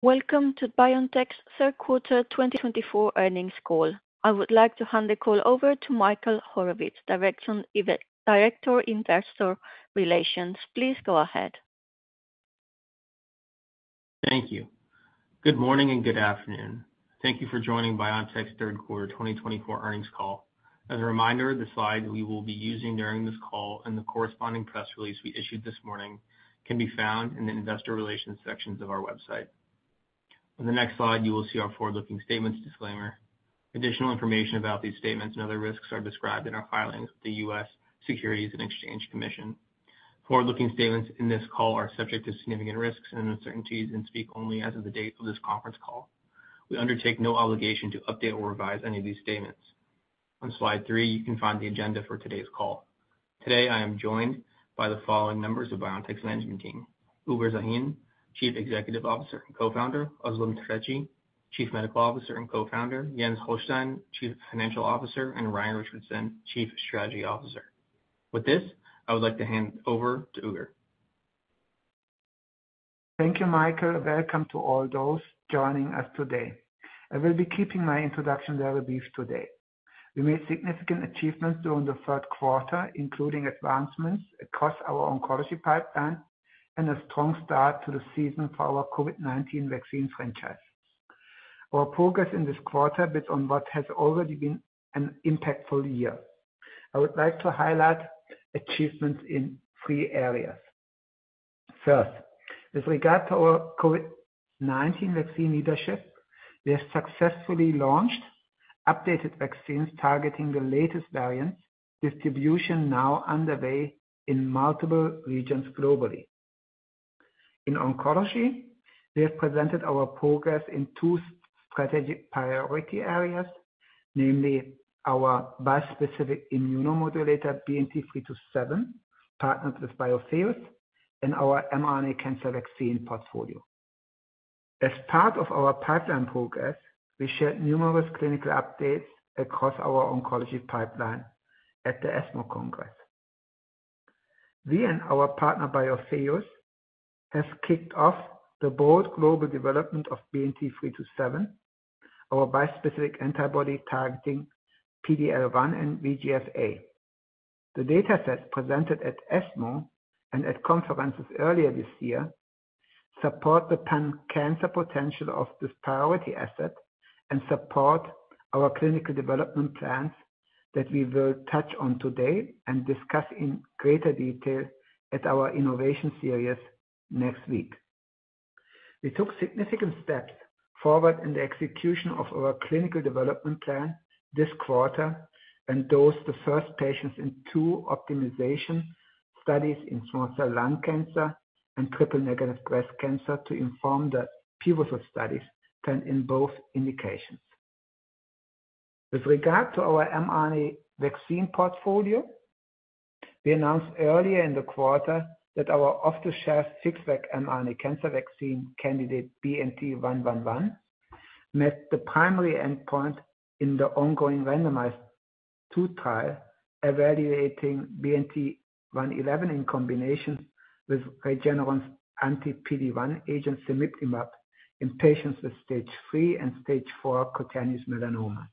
Welcome to BioNTech's third quarter 2024 earnings call. I would like to hand the call over to Michael Horowicz, Director of Investor Relations. Please go ahead. Thank you. Good morning and good afternoon. Thank you for joining BioNTech's third quarter 2024 earnings call. As a reminder, the slides we will be using during this call and the corresponding press release we issued this morning can be found in the Investor Relations sections of our website. On the next slide, you will see our forward-looking statements disclaimer. Additional information about these statements and other risks are described in our filings with the U.S. Securities and Exchange Commission. Forward-looking statements in this call are subject to significant risks and uncertainties and speak only as of the date of this conference call. We undertake no obligation to update or revise any of these statements. On slide three, you can find the agenda for today's call. Today, I am joined by the following members of BioNTech's management team: Ugur Sahin, Chief Executive Officer and Co-founder, Özlem Türeci, Chief Medical Officer and Co-founder, Jens Holstein, Chief Financial Officer, and Ryan Richardson, Chief Strategy Officer. With this, I would like to hand it over to Ugur. Thank you, Michael, and welcome to all those joining us today. I will be keeping my introduction very brief today. We made significant achievements during the third quarter, including advancements across our oncology pipeline and a strong start to the season for our COVID-19 vaccine franchise. Our progress in this quarter built on what has already been an impactful year. I would like to highlight achievements in three areas. First, with regard to our COVID-19 vaccine leadership, we have successfully launched updated vaccines targeting the latest variants, distribution now underway in multiple regions globally. In oncology, we have presented our progress in two strategic priority areas, namely our bispecific immunomodulator, BNT327, partnered with Biotheus, and our mRNA cancer vaccine portfolio. As part of our pipeline progress, we shared numerous clinical updates across our oncology pipeline at the ESMO Congress. We and our partner Biotheus have kicked off the broad global development of BNT327, our bispecific antibody targeting PD-L1 and VEGFA. The datasets presented at ESMO and at conferences earlier this year support the pan-cancer potential of this priority asset and support our clinical development plans that we will touch on today and discuss in greater detail at our innovation series next week. We took significant steps forward in the execution of our clinical development plan this quarter and dosed the first patients in two optimization studies in small cell lung cancer and triple-negative breast cancer to inform the pivotal studies planned in both indications. With regard to our mRNA vaccine portfolio, we announced earlier in the quarter that our off-the-shelf FixVac mRNA cancer vaccine candidate BNT111 met the primary endpoint in the ongoing randomized two-arm trial evaluating BNT111 in combination with Regeneron's anti-PD-1 agent cemiplimab in patients with stage III and stage IV cutaneous melanoma.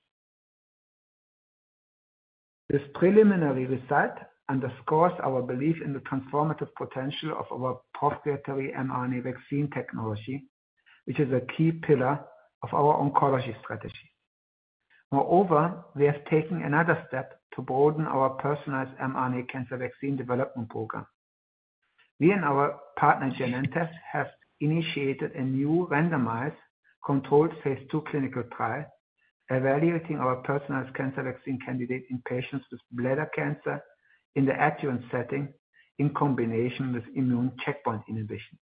This preliminary result underscores our belief in the transformative potential of our proprietary mRNA vaccine technology, which is a key pillar of our oncology strategy. Moreover, we are taking another step to broaden our personalized mRNA cancer vaccine development program. We and our partner Genentech have initiated a new randomized controlled phase II clinical trial evaluating our personalized cancer vaccine candidate in patients with bladder cancer in the adjuvant setting in combination with immune checkpoint inhibition.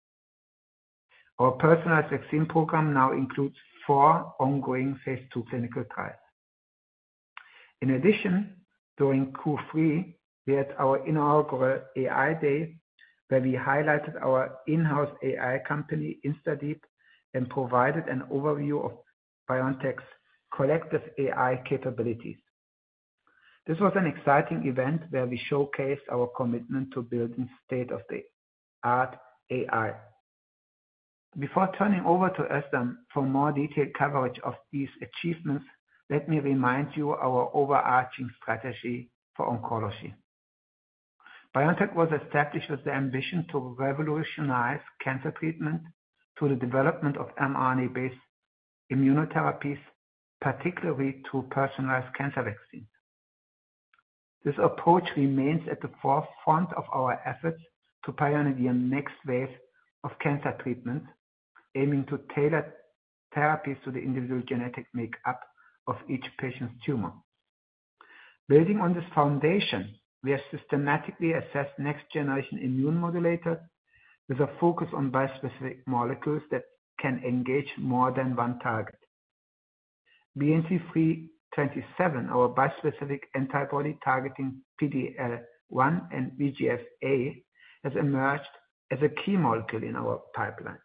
Our personalized vaccine program now includes four ongoing phase II clinical trials. In addition, during Q3, we had our inaugural AI day, where we highlighted our in-house AI company, InstaDeep, and provided an overview of BioNTech's collective AI capabilities. This was an exciting event where we showcased our commitment to building state-of-the-art AI. Before turning over to Özlem for more detailed coverage of these achievements, let me remind you of our overarching strategy for oncology. BioNTech was established with the ambition to revolutionize cancer treatment through the development of mRNA-based immunotherapies, particularly through personalized cancer vaccines. This approach remains at the forefront of our efforts to pioneer the next wave of cancer treatments, aiming to tailor therapies to the individual genetic makeup of each patient's tumor. Building on this foundation, we have systematically assessed next-generation immune modulators with a focus on bispecific molecules that can engage more than one target. BNT327, our bispecific antibody targeting PD-L1 and VEGFA, has emerged as a key molecule in our pipeline.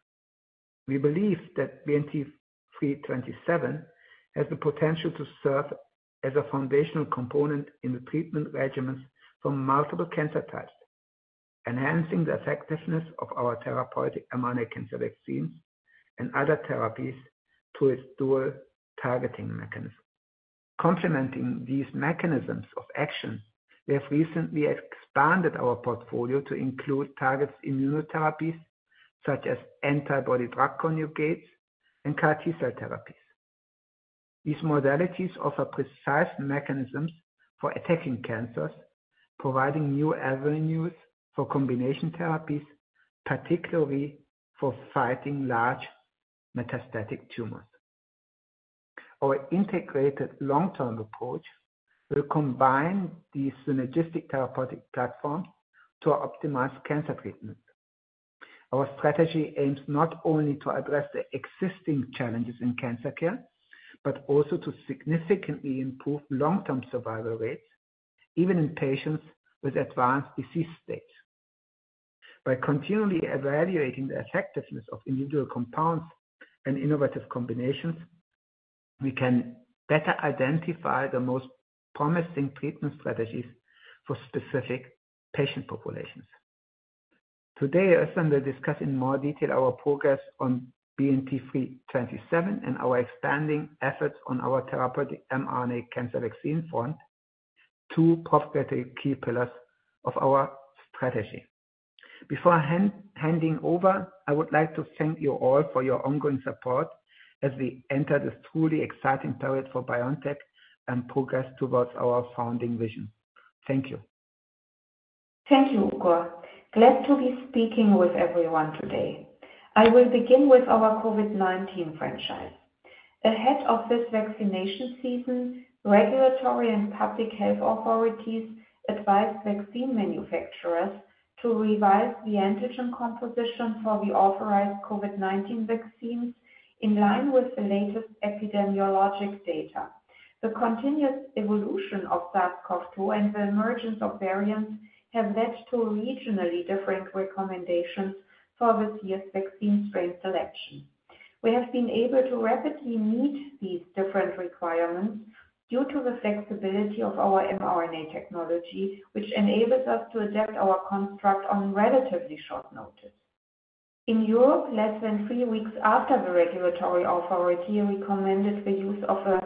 We believe that BNT327 has the potential to serve as a foundational component in the treatment regimens for multiple cancer types, enhancing the effectiveness of our therapeutic mRNA cancer vaccines and other therapies through its dual targeting mechanism. Complementing these mechanisms of action, we have recently expanded our portfolio to include targeted immunotherapies such as antibody-drug conjugates and CAR T-cell therapies. These modalities offer precise mechanisms for attacking cancers, providing new avenues for combination therapies, particularly for fighting large metastatic tumors. Our integrated long-term approach will combine these synergistic therapeutic platforms to optimize cancer treatment. Our strategy aims not only to address the existing challenges in cancer care, but also to significantly improve long-term survival rates, even in patients with advanced disease states. By continually evaluating the effectiveness of individual compounds and innovative combinations, we can better identify the most promising treatment strategies for specific patient populations. Today, Özlem will discuss in more detail our progress on BNT327 and our expanding efforts on our therapeutic mRNA cancer vaccine front, two proprietary key pillars of our strategy. Before handing over, I would like to thank you all for your ongoing support as we enter this truly exciting period for BioNTech and progress towards our founding vision. Thank you. Thank you, Ugur. Glad to be speaking with everyone today. I will begin with our COVID-19 franchise. Ahead of this vaccination season, regulatory and public health authorities advised vaccine manufacturers to revise the antigen composition for the authorized COVID-19 vaccines in line with the latest epidemiologic data. The continuous evolution of SARS-CoV-2 and the emergence of variants have led to regionally different recommendations for this year's vaccine strain selection. We have been able to rapidly meet these different requirements due to the flexibility of our mRNA technology, which enables us to adapt our construct on relatively short notice. In Europe, less than three weeks after the regulatory authority recommended the use of a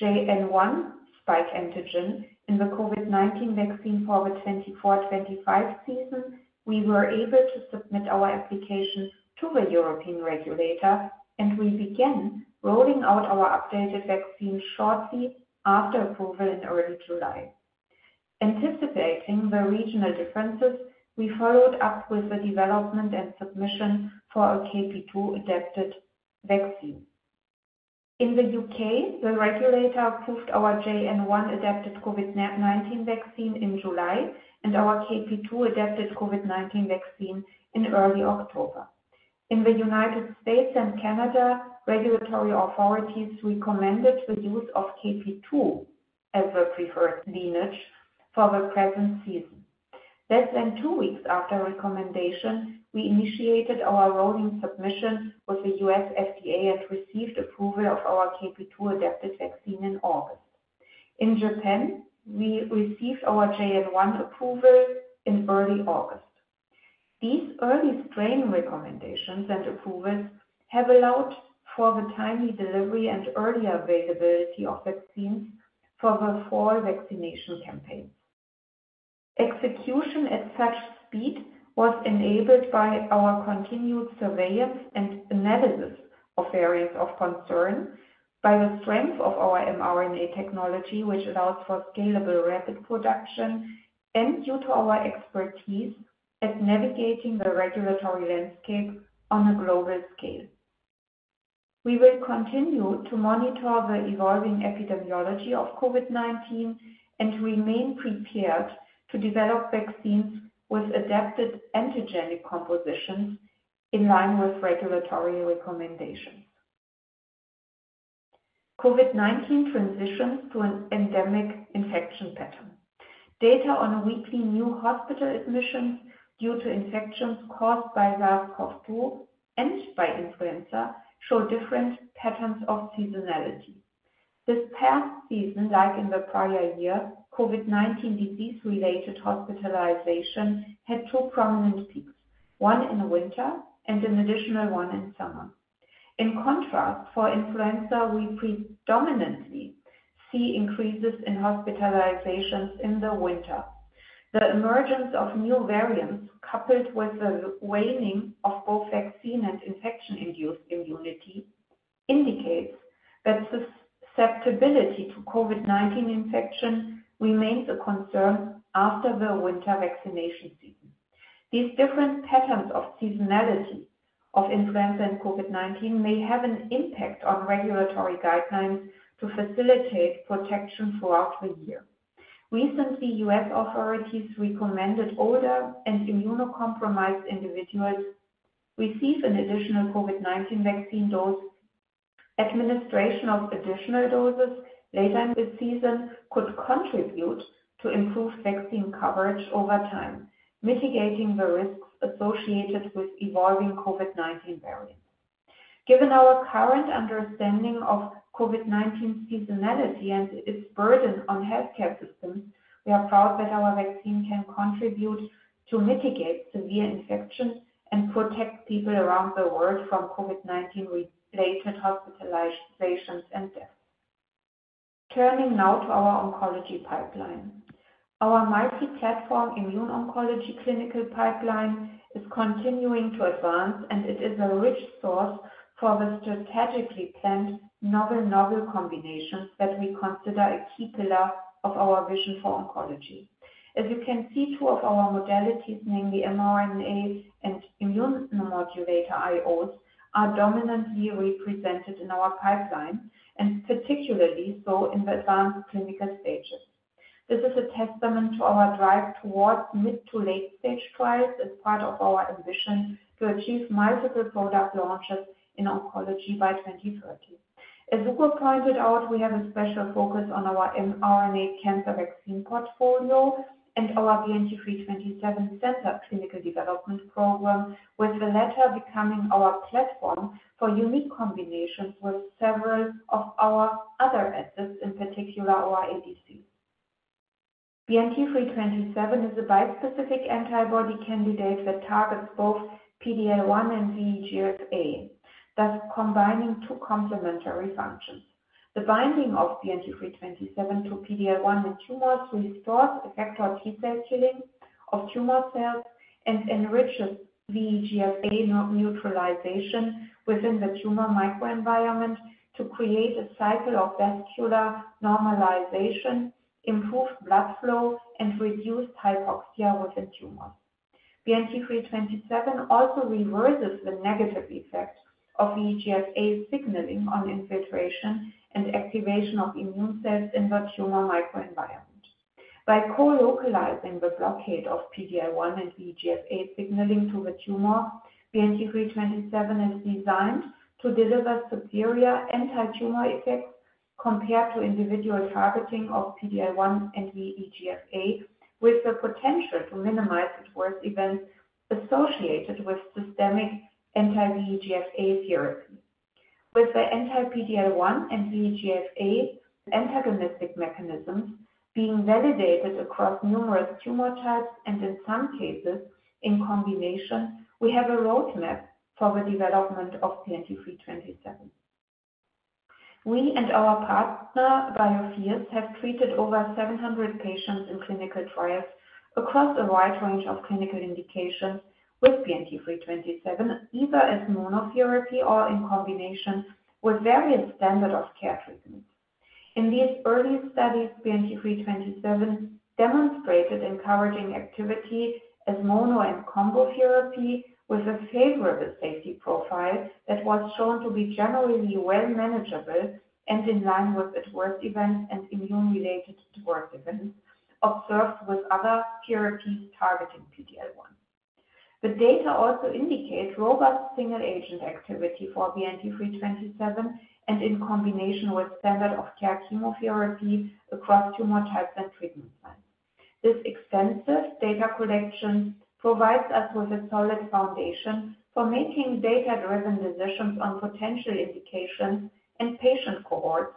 JN.1 spike antigen in the COVID-19 vaccine for the 24-25 season, we were able to submit our application to the European regulator, and we began rolling out our updated vaccine shortly after approval in early July. Anticipating the regional differences, we followed up with the development and submission for a KP.2-adapted vaccine. In the U.K., the regulator approved our JN.1-adapted COVID-19 vaccine in July and our KP.2-adapted COVID-19 vaccine in early October. In the United States and Canada, regulatory authorities recommended the use of KP.2 as the preferred lineage for the present season. Less than two weeks after recommendation, we initiated our rolling submission with the U.S. FDA and received approval of our KP.2-adapted vaccine in August. In Japan, we received our JN.1 approval in early August. These early strain recommendations and approvals have allowed for the timely delivery and earlier availability of vaccines for the fall vaccination campaigns. Execution at such speed was enabled by our continued surveillance and analysis of variants of concern, by the strength of our mRNA technology, which allows for scalable rapid production, and due to our expertise at navigating the regulatory landscape on a global scale. We will continue to monitor the evolving epidemiology of COVID-19 and remain prepared to develop vaccines with adapted antigenic compositions in line with regulatory recommendations. COVID-19 transitions to an endemic infection pattern. Data on weekly new hospital admissions due to infections caused by SARS-CoV-2 and by influenza show different patterns of seasonality. This past season, like in the prior year, COVID-19 disease-related hospitalization had two prominent peaks: one in the winter and an additional one in summer. In contrast, for influenza, we predominantly see increases in hospitalizations in the winter. The emergence of new variants, coupled with the waning of both vaccine and infection-induced immunity, indicates that susceptibility to COVID-19 infection remains a concern after the winter vaccination season. These different patterns of seasonality of influenza and COVID-19 may have an impact on regulatory guidelines to facilitate protection throughout the year. Recently, U.S. authorities recommended older and immunocompromised individuals receive an additional COVID-19 vaccine dose. Administration of additional doses later this season could contribute to improved vaccine coverage over time, mitigating the risks associated with evolving COVID-19 variants. Given our current understanding of COVID-19 seasonality and its burden on healthcare systems, we are proud that our vaccine can contribute to mitigate severe infection and protect people around the world from COVID-19-related hospitalizations and deaths. Turning now to our oncology pipeline. Our multi-platform immune oncology clinical pipeline is continuing to advance, and it is a rich source for the strategically planned novel combinations that we consider a key pillar of our vision for oncology. As you can see, two of our modalities, namely mRNA and immunomodulator IOs, are dominantly represented in our pipeline, and particularly so in the advanced clinical stages. This is a testament to our drive towards mid-to-late-stage trials as part of our ambition to achieve multiple product launches in oncology by 2030. As Ugur pointed out, we have a special focus on our mRNA cancer vaccine portfolio and our BNT327 central clinical development program, with the latter becoming our platform for unique combinations with several of our other assets, in particular our ADC. BNT327 is a bispecific antibody candidate that targets both PD-L1 and VEGFA, thus combining two complementary functions. The binding of BNT327 to PD-L1 in tumors restores effector T-cell killing of tumor cells and enriches VEGFA neutralization within the tumor microenvironment to create a cycle of vascular normalization, improved blood flow, and reduced hypoxia within tumors. BNT327 also reverses the negative effect of VEGFA signaling on infiltration and activation of immune cells in the tumor microenvironment. By co-localizing the blockade of PD-L1 and VEGFA signaling to the tumor, BNT327 is designed to deliver superior anti-tumor effects compared to individual targeting of PD-L1 and VEGFA, with the potential to minimize adverse events associated with systemic anti-VEGFA therapy. With the anti-PD-L1 and VEGFA antagonistic mechanisms being validated across numerous tumor types and, in some cases, in combination, we have a roadmap for the development of BNT327. We and our partner, Biotheus, have treated over 700 patients in clinical trials across a wide range of clinical indications with BNT327, either as monotherapy or in combination with various standards of care treatments. In these early studies, BNT327 demonstrated encouraging activity as mono and combo therapy with a favorable safety profile that was shown to be generally well manageable and in line with adverse events and immune-related adverse events observed with other therapies targeting PD-L1. The data also indicate robust single-agent activity for BNT327 and in combination with standard of care chemotherapy across tumor types and treatment lines. This extensive data collection provides us with a solid foundation for making data-driven decisions on potential indications and patient cohorts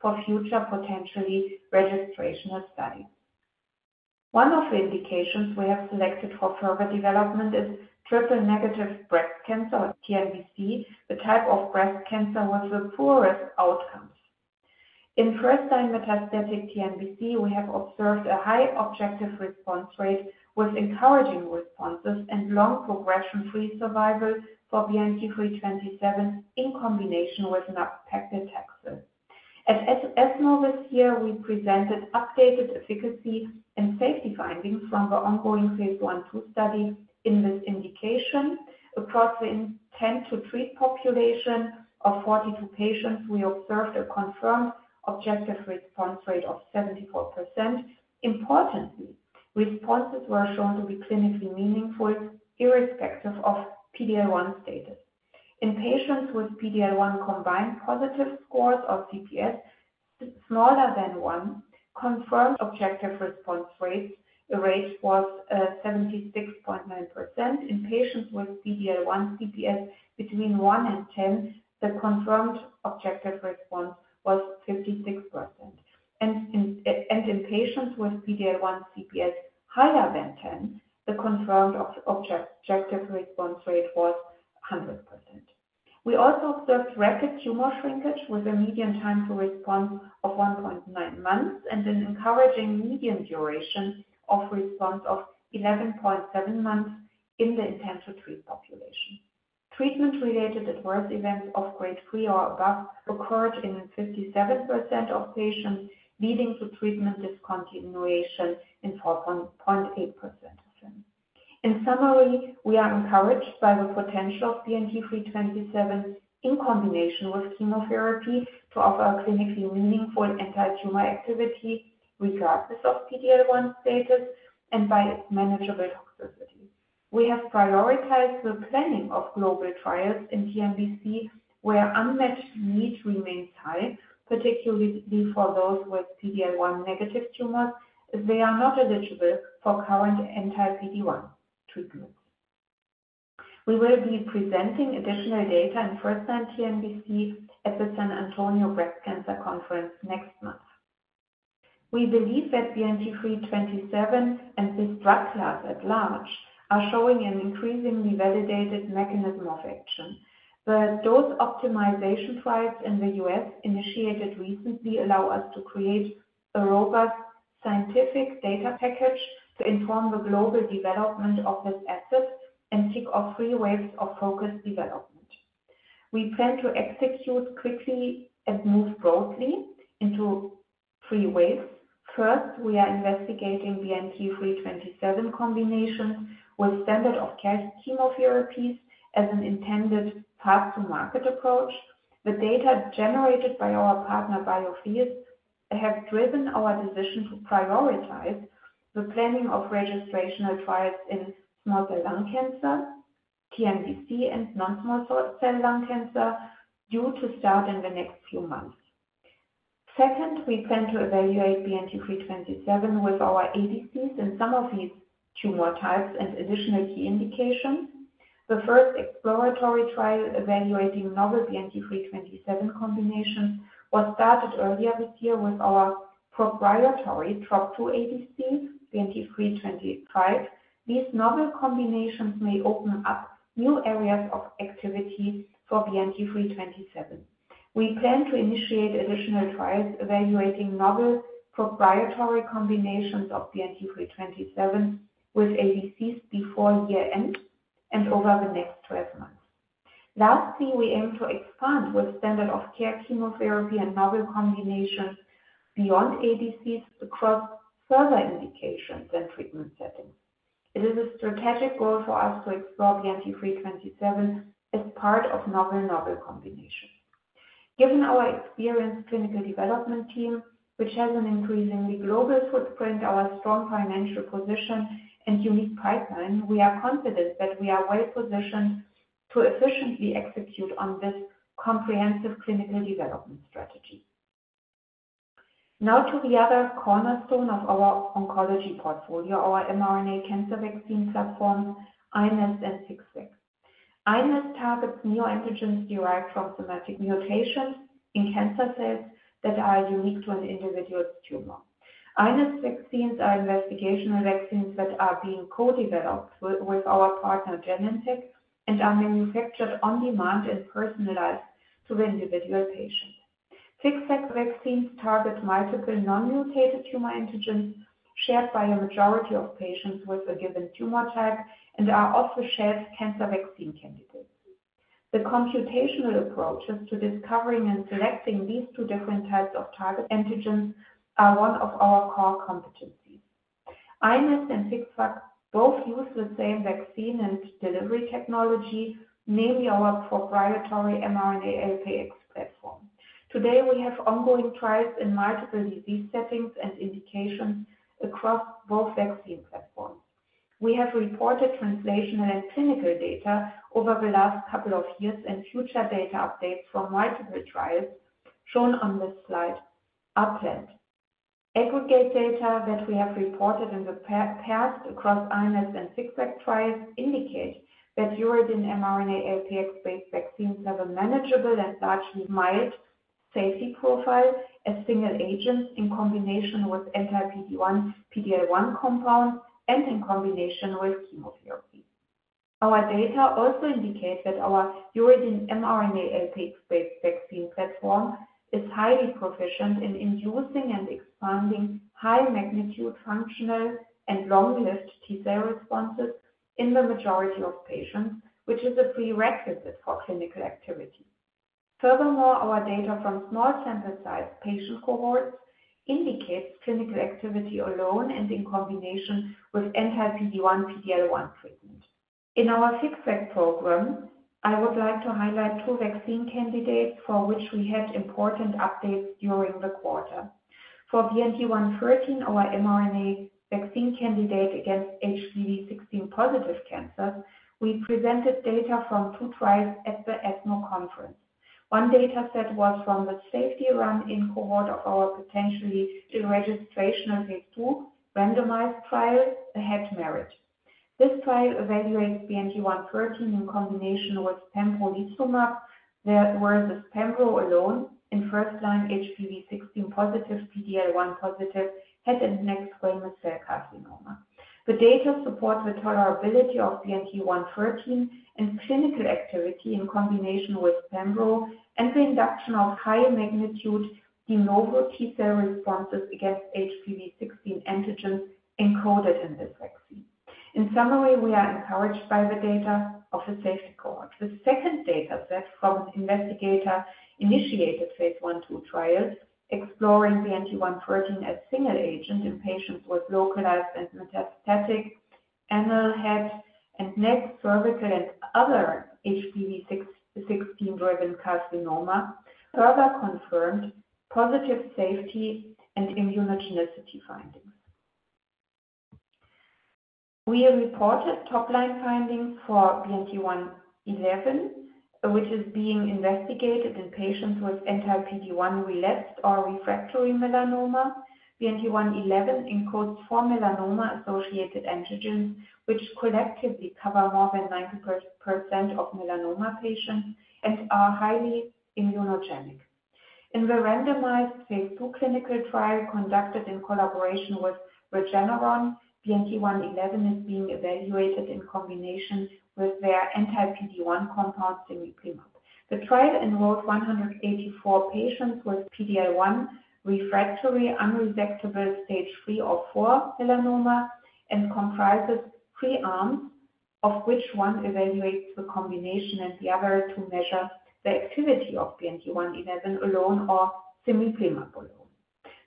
for future potentially registrational studies. One of the indications we have selected for further development is triple-negative breast cancer, TNBC, the type of breast cancer with the poorest outcomes. In first-line metastatic TNBC, we have observed a high objective response rate with encouraging responses and long progression-free survival for BNT327 in combination with nab-paclitaxel. At ESMO this year, we presented updated efficacy and safety findings from the ongoing phase I-II study in this indication. Across the intent-to-treat population of 42 patients, we observed a confirmed objective response rate of 74%. Importantly, responses were shown to be clinically meaningful irrespective of PD-L1 status. In patients with PD-L1 combined positive scores or CPS smaller than 1, confirmed objective response rate was 76.9%. In patients with PD-L1 CPS between 1 and 10, the confirmed objective response was 56%, and in patients with PD-L1 CPS higher than 10, the confirmed objective response rate was 100%. We also observed rapid tumor shrinkage with a median time to respond of 1.9 months and an encouraging median duration of response of 11.7 months in the intent-to-treat population. Treatment-related adverse events of grade 3 or above occurred in 57% of patients, leading to treatment discontinuation in 4.8% of them. In summary, we are encouraged by the potential of BNT327 in combination with chemotherapy to offer clinically meaningful anti-tumor activity regardless of PD-L1 status and by its manageable toxicity. We have prioritized the planning of global trials in TNBC where unmet needs remain high, particularly for those with PD-L1-negative tumors as they are not eligible for current anti-PD-1 treatments. We will be presenting additional data in first-line TNBC at the San Antonio Breast Cancer Symposium next month. We believe that BNT327 and this drug class at large are showing an increasingly validated mechanism of action. The dose optimization trials in the U.S. initiated recently allow us to create a robust scientific data package to inform the global development of this asset and seek phase lll of focused development. We plan to execute quickly and move broadly into phase lll. First, we are investigating BNT327 combinations with standard of care chemotherapies as an intended fast-to-market approach. The data generated by our partner, Biotheus, have driven our decision to prioritize the planning of registrational trials in small cell lung cancer, TNBC, and non-small cell lung cancer due to start in the next few months. Second, we plan to evaluate BNT327 with our ADCs in some of these tumor types and additional key indications. The first exploratory trial evaluating novel BNT327 combinations was started earlier this year with our proprietary TROP2 ADC, BNT325. These novel combinations may open up new areas of activity for BNT327. We plan to initiate additional trials evaluating novel proprietary combinations of BNT327 with ADCs before year-end and over the next 12 months. Lastly, we aim to expand with standard of care chemotherapy and novel combinations beyond ADCs across further indications and treatment settings. It is a strategic goal for us to explore BNT327 as part of novel-noble combinations. Given our experienced clinical development team, which has an increasingly global footprint, our strong financial position, and unique pipeline, we are confident that we are well positioned to efficiently execute on this comprehensive clinical development strategy. Now to the other cornerstone of our oncology portfolio, our mRNA cancer vaccine platform, iNeST and FixVac. iNeST targets neoantigens derived from somatic mutations in cancer cells that are unique to an individual's tumor. iNeST vaccines are investigational vaccines that are being co-developed with our partner, Genentech, and are manufactured on demand and personalized to the individual patient. FixVac vaccines target multiple non-mutated tumor antigens shared by a majority of patients with a given tumor type and are offered shared cancer vaccine candidates. The computational approaches to discovering and selecting these two different types of target antigens are one of our core competencies. iNeST and FixVac both use the same vaccine and delivery technology, namely our proprietary mRNA LPX platform. Today, we have ongoing trials in multiple disease settings and indications across both vaccine platforms. We have reported translational and clinical data over the last couple of years, and future data updates from multiple trials shown on this slide outlined. Aggregate data that we have reported in the past across iNeST and FixVac trials indicate that uridine mRNA LPX-based vaccines have a manageable and largely mild safety profile as single agents in combination with anti-PD-1, PD-L1 compounds, and in combination with chemotherapy. Our data also indicate that our uridine mRNA LPX-based vaccine platform is highly proficient in inducing and expanding high-magnitude functional and long-lived T-cell responses in the majority of patients, which is a prerequisite for clinical activity. Furthermore, our data from small sample-sized patient cohorts indicates clinical activity alone and in combination with anti-PD-1, PD-L1 treatment. In our FixVac program, I would like to highlight two vaccine candidates for which we had important updates during the quarter. For BNT113, our mRNA vaccine candidate against HPV16-positive cancers, we presented data from two trials at the ESMO Conference. One data set was from the safety run-in cohort of our potentially registrational phase II randomized trial, AHEAD-MERIT. This trial evaluates BNT113 in combination with pembrolizumab, where the pembrolizumab alone in first-line HPV16-positive, PD-L1-positive, head and neck squamous cell carcinoma. The data supports the tolerability of BNT113 and clinical activity in combination with pembrolizumab and the induction of high-magnitude de novo T-cell responses against HPV16 antigens encoded in this vaccine. In summary, we are encouraged by the data of the safety cohort. The second data set from an investigator-initiated phase I-II trials exploring BNT113 as single agent in patients with localized and metastatic anal, head and neck, cervical, and other HPV16-driven carcinoma further confirmed positive safety and immunogenicity findings. We reported top-line findings for BNT111, which is being investigated in patients with anti-PD-1 relapsed or refractory melanoma. BNT111 encodes four melanoma-associated antigens, which collectively cover more than 90% of melanoma patients and are highly immunogenic. In the randomized phase II clinical trial conducted in collaboration with Regeneron, BNT111 is being evaluated in combination with their anti-PD-1 compound, cemiplimab. The trial enrolled 184 patients with PD-L1 refractory, unresectable, stage three or four melanoma and comprises three arms, of which one evaluates the combination and the other to measure the activity of BNT111 alone or cemiplimab alone.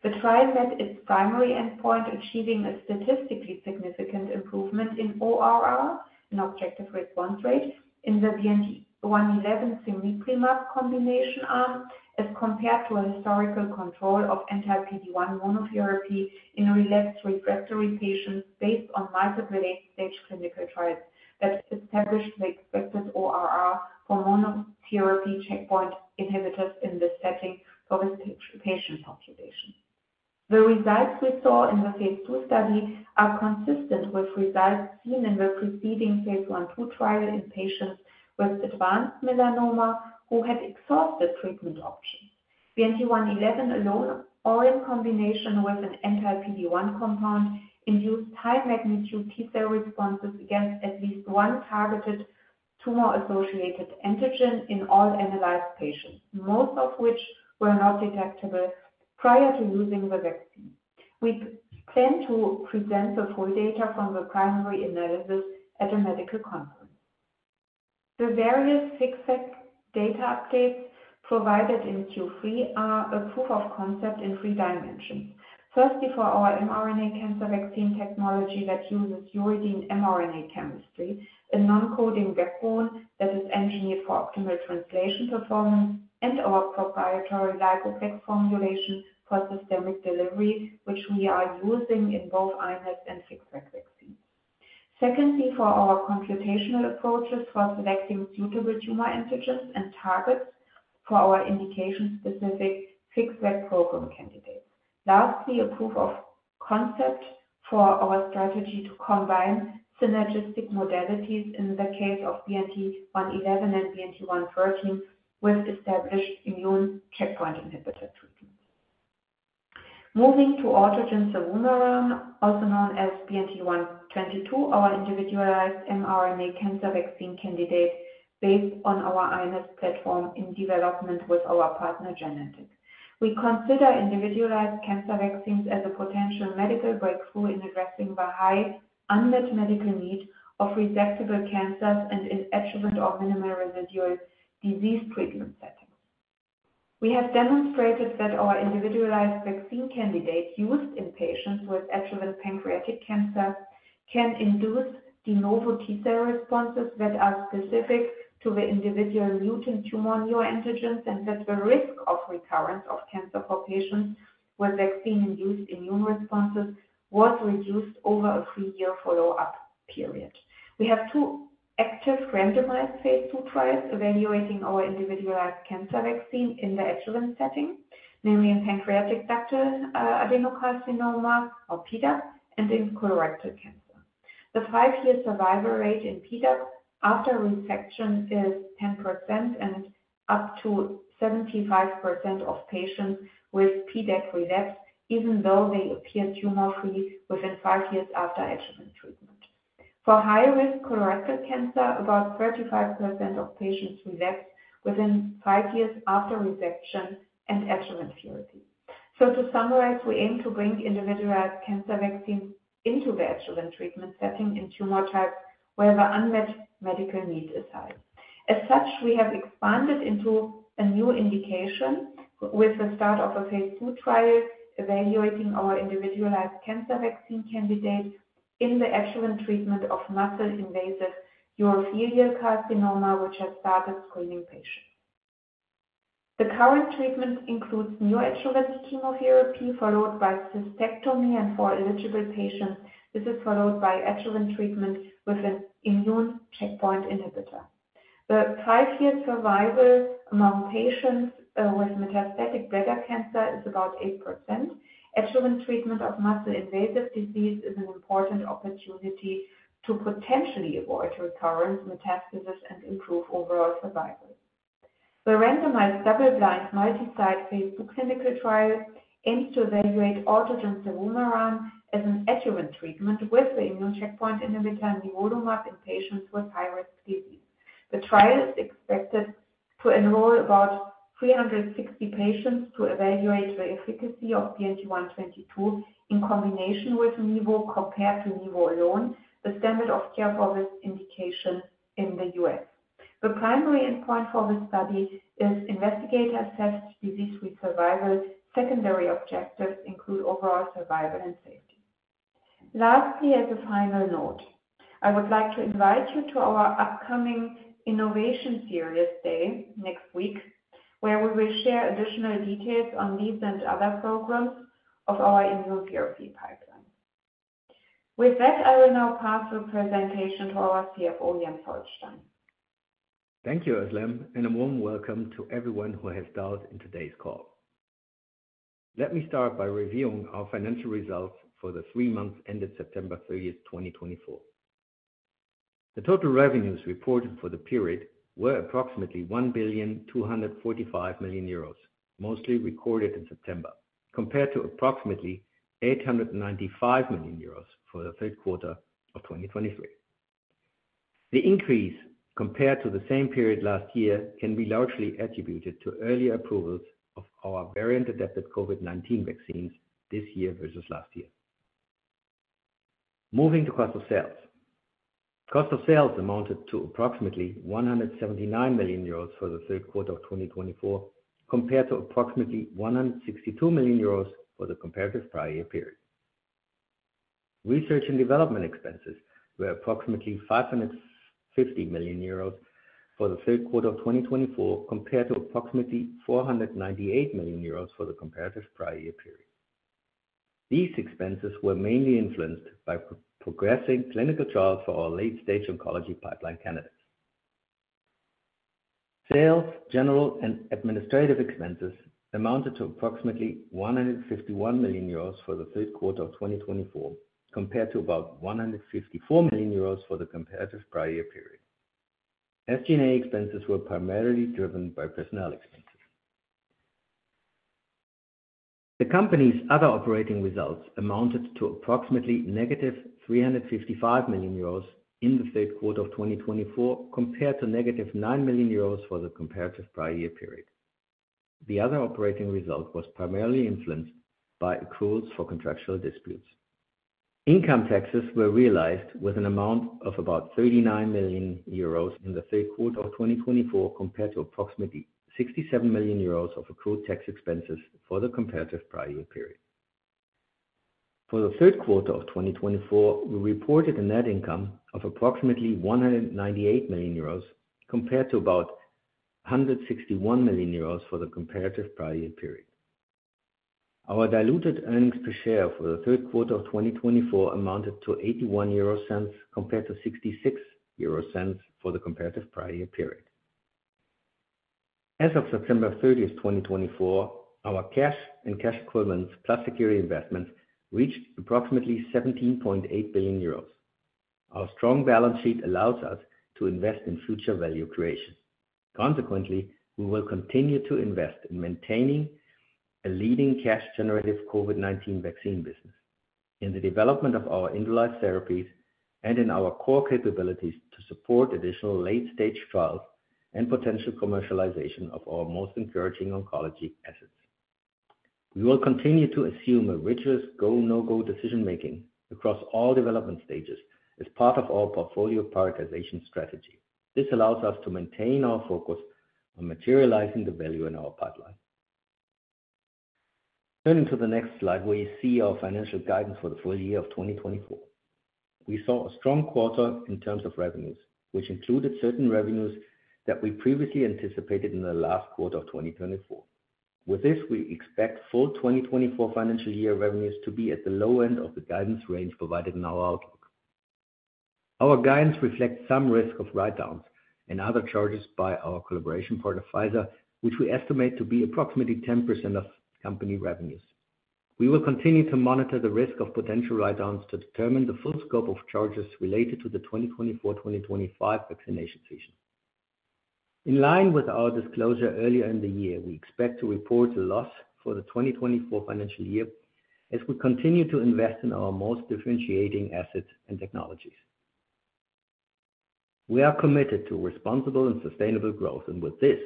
The trial met its primary endpoint, achieving a statistically significant improvement in ORR, an objective response rate, in the BNT111 cemiplimab combination arm as compared to a historical control of anti-PD-1 monotherapy in relapsed refractory patients based on multiple late-stage clinical trials that established the expected ORR for monotherapy checkpoint inhibitors in this setting for this patient population. The results we saw in the phase II study are consistent with results seen in the preceding phase I-II trial in patients with advanced melanoma who had exhausted treatment options. BNT111 alone or in combination with an anti-PD-1 compound induced high-magnitude T-cell responses against at least one targeted tumor-associated antigen in all analyzed patients, most of which were not detectable prior to using the vaccine. We plan to present the full data from the primary analysis at the medical conference. The various FixVac data updates provided in Q3 are a proof of concept in three dimensions. First, before our mRNA cancer vaccine technology that uses uridine mRNA chemistry, a non-coding vector backbone that is engineered for optimal translation performance, and our proprietary Lipoplex formulation for systemic delivery, which we are using in both iNeST and FixVac vaccines. Secondly, for our computational approaches for selecting suitable tumor antigens and targets for our indication-specific FixVac program candidates. Lastly, a proof of concept for our strategy to combine synergistic modalities in the case of BNT111 and BNT113 with established immune checkpoint inhibitor treatments. Moving to autogene cevumeran, also known as BNT122, our individualized mRNA cancer vaccine candidate based on our iNeST platform in development with our partner, Genentech. We consider individualized cancer vaccines as a potential medical breakthrough in addressing the high unmet medical need of resectable cancers and in adjuvant or minimal residual disease treatment settings. We have demonstrated that our individualized vaccine candidate used in patients with adjuvant pancreatic cancer can induce de novo T-cell responses that are specific to the individual mutant tumor neoantigens and that the risk of recurrence of cancer for patients with vaccine-induced immune responses was reduced over a three-year follow-up period. We have two active randomized phase II trials evaluating our individualized cancer vaccine in the adjuvant setting, namely in pancreatic ductal adenocarcinoma or PDAC and in colorectal cancer. The five-year survival rate in PDAC after resection is 10% and up to 75% of patients with PDAC relapse, even though they appear tumor-free within five years after adjuvant treatment. For high-risk colorectal cancer, about 35% of patients relapse within five years after resection and adjuvant therapy. To summarize, we aim to bring individualized cancer vaccines into the adjuvant treatment setting in tumor types where the unmet medical need is high. As such, we have expanded into a new indication with the start of a phase II trial evaluating our individualized cancer vaccine candidate in the adjuvant treatment of muscle-invasive urothelial carcinoma, which has started screening patients. The current treatment includes neoadjuvant chemotherapy followed by cystectomy, and for eligible patients, this is followed by adjuvant treatment with an immune checkpoint inhibitor. The five-year survival among patients with metastatic bladder cancer is about 8%. Adjuvant treatment of muscle-invasive disease is an important opportunity to potentially avoid recurrent metastasis and improve overall survival. The randomized double-blind multi-site phase II clinical trial aims to evaluate autogene cevumeran as an adjuvant treatment with the immune checkpoint inhibitor and nivolumab in patients with high-risk disease. The trial is expected to enroll about 360 patients to evaluate the efficacy of BNT122 in combination with Nivo, compared to Nivo alone, the standard of care for this indication in the U.S. The primary endpoint for this study is investigator assessed disease-free survival. Secondary objectives include overall survival and safety. Lastly, as a final note, I would like to invite you to our upcoming Innovation Series Day next week, where we will share additional details on these and other programs of our immunotherapy pipeline. With that, I will now pass the presentation to our CFO, Jens Holstein. Thank you, Özlem, and a warm welcome to everyone who has dialed in today's call. Let me start by reviewing our financial results for the three months ended September 30, 2024. The total revenues reported for the period were approximately 1,245 million euros, mostly recorded in September, compared to approximately 895 million euros for the third quarter of 2023. The increase compared to the same period last year can be largely attributed to earlier approvals of our variant-adapted COVID-19 vaccines this year versus last year. Moving to cost of sales, cost of sales amounted to approximately 179 million euros for the third quarter of 2024, compared to approximately 162 million euros for the comparative prior year period. Research and development expenses were approximately 550 million euros for the third quarter of 2024, compared to approximately 498 million euros for the comparative prior year period. These expenses were mainly influenced by progressing clinical trials for our late-stage oncology pipeline candidates. Sales, general, and administrative expenses amounted to approximately 151 million euros for the third quarter of 2024, compared to about 154 million euros for the comparative prior year period. SG&A expenses were primarily driven by personnel expenses. The company's other operating results amounted to approximately 355 million euros in the third quarter of 2024, compared to 9 million euros for the comparative prior year period. The other operating result was primarily influenced by accruals for contractual disputes. Income taxes were realized with an amount of about 39 million euros in the third quarter of 2024, compared to approximately 67 million euros of accrued tax expenses for the comparative prior year period. For the third quarter of 2024, we reported a net income of approximately 198 million euros, compared to about 161 million euros for the comparative prior year period. Our diluted earnings per share for the third quarter of 2024 amounted to €0.81, compared to 0.66 for the comparative prior year period. As of September 30, 2024, our cash and cash equivalents plus security investments reached approximately 17.8 billion euro. Our strong balance sheet allows us to invest in future value creation. Consequently, we will continue to invest in maintaining a leading cash-generative COVID-19 vaccine business, in the development of our oncology therapies, and in our core capabilities to support additional late-stage trials and potential commercialization of our most encouraging oncology assets. We will continue to assume a rigorous go-no-go decision-making across all development stages as part of our portfolio prioritization strategy. This allows us to maintain our focus on materializing the value in our pipeline. Turning to the next slide, where you see our financial guidance for the full year of 2024, we saw a strong quarter in terms of revenues, which included certain revenues that we previously anticipated in the last quarter of 2024. With this, we expect full 2024 financial year revenues to be at the low end of the guidance range provided in our outlook. Our guidance reflects some risk of write-downs and other charges by our collaboration partner, Pfizer, which we estimate to be approximately 10% of company revenues. We will continue to monitor the risk of potential write-downs to determine the full scope of charges related to the 2024-2025 vaccination season. In line with our disclosure earlier in the year, we expect to report a loss for the 2024 financial year as we continue to invest in our most differentiating assets and technologies. We are committed to responsible and sustainable growth, and with this,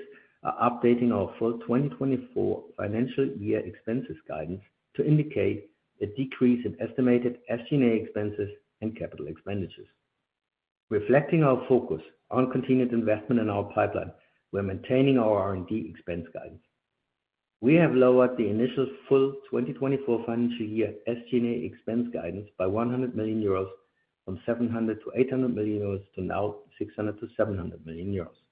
are updating our full 2024 financial year expenses guidance to indicate a decrease in estimated SG&A expenses and capital expenditures. Reflecting our focus on continued investment in our pipeline, we are maintaining our R&D expense guidance. We have lowered the initial full 2024 financial year SG&A expense guidance by 100 million euros from 700 to 800 million euros to now 600 to 700 million euros. We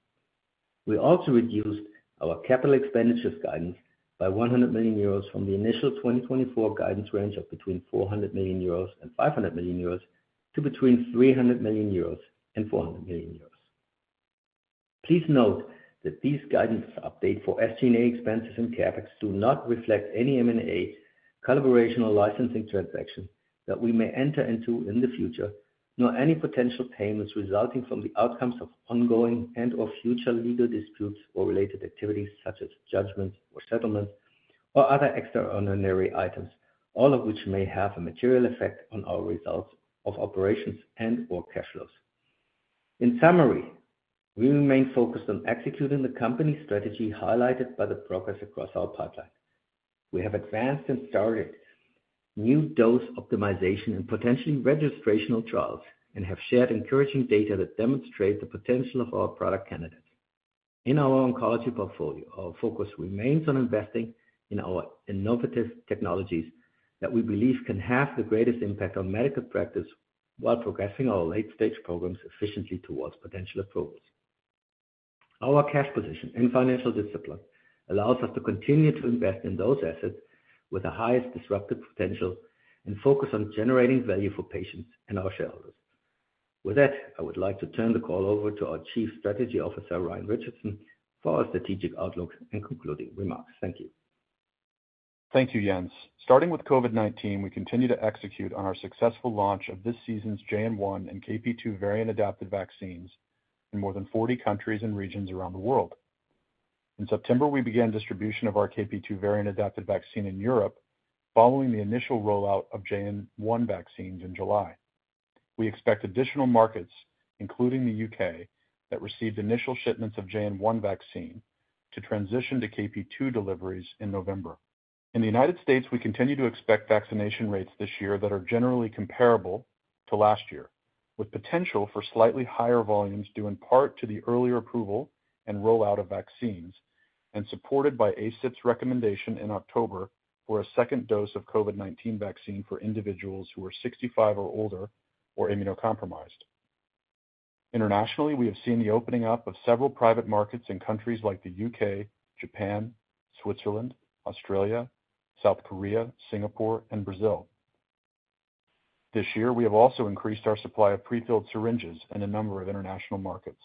also reduced our capital expenditures guidance by 100 million euros from the initial 2024 guidance range of between 400 million euros and 500 million euros to between 300 million euros and 400 million euros. Please note that these guidance updates for SG&A expenses and CapEx do not reflect any M&A, collaboration, licensing transactions that we may enter into in the future, nor any potential payments resulting from the outcomes of ongoing and/or future legal disputes or related activities such as judgments or settlements or other extraordinary items, all of which may have a material effect on our results of operations and/or cash flows. In summary, we remain focused on executing the company strategy highlighted by the progress across our pipeline. We have advanced and started new dose optimization and potentially registrational trials and have shared encouraging data that demonstrate the potential of our product candidates. In our oncology portfolio, our focus remains on investing in our innovative technologies that we believe can have the greatest impact on medical practice while progressing our late-stage programs efficiently towards potential approvals. Our cash position and financial discipline allows us to continue to invest in those assets with the highest disruptive potential and focus on generating value for patients and our shareholders. With that, I would like to turn the call over to our Chief Strategy Officer, Ryan Richardson, for our strategic outlook and concluding remarks. Thank you. Thank you, Jens. Starting with COVID-19, we continue to execute on our successful launch of this season's JN.1 and KP.2 variant-adapted vaccines in more than 40 countries and regions around the world. In September, we began distribution of our KP.2 variant-adapted vaccine in Europe, following the initial rollout of JN.1 vaccines in July. We expect additional markets, including the UK, that received initial shipments of JN.1 vaccine to transition to KP.2 deliveries in November. In the United States, we continue to expect vaccination rates this year that are generally comparable to last year, with potential for slightly higher volumes due in part to the earlier approval and rollout of vaccines and supported by ACIP's recommendation in October for a second dose of COVID-19 vaccine for individuals who are 65 or older or immunocompromised. Internationally, we have seen the opening up of several private markets in countries like the U.K., Japan, Switzerland, Australia, South Korea, Singapore, and Brazil. This year, we have also increased our supply of prefilled syringes in a number of international markets.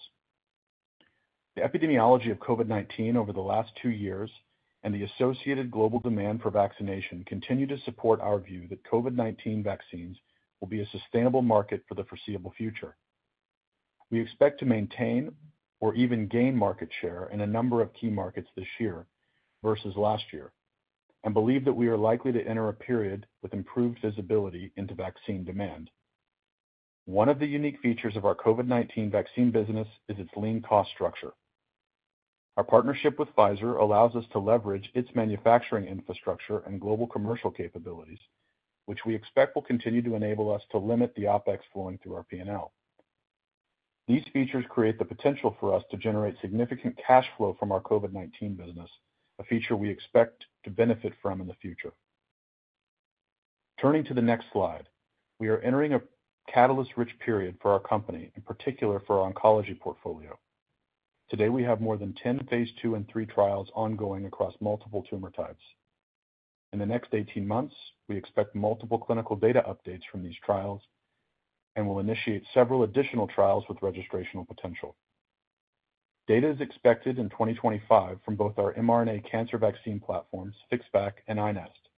The epidemiology of COVID-19 over the last two years and the associated global demand for vaccination continue to support our view that COVID-19 vaccines will be a sustainable market for the foreseeable future. We expect to maintain or even gain market share in a number of key markets this year versus last year and believe that we are likely to enter a period with improved visibility into vaccine demand. One of the unique features of our COVID-19 vaccine business is its lean cost structure. Our partnership with Pfizer allows us to leverage its manufacturing infrastructure and global commercial capabilities, which we expect will continue to enable us to limit the OpEx flowing through our P&L. These features create the potential for us to generate significant cash flow from our COVID-19 business, a feature we expect to benefit from in the future. Turning to the next slide, we are entering a catalyst-rich period for our company, in particular for our oncology portfolio. Today, we have more than 10 phase II and III trials ongoing across multiple tumor types. In the next 18 months, we expect multiple clinical data updates from these trials and will initiate several additional trials with registrational potential. Data is expected in 2025 from both our mRNA cancer vaccine platforms, FixVac and iNeST.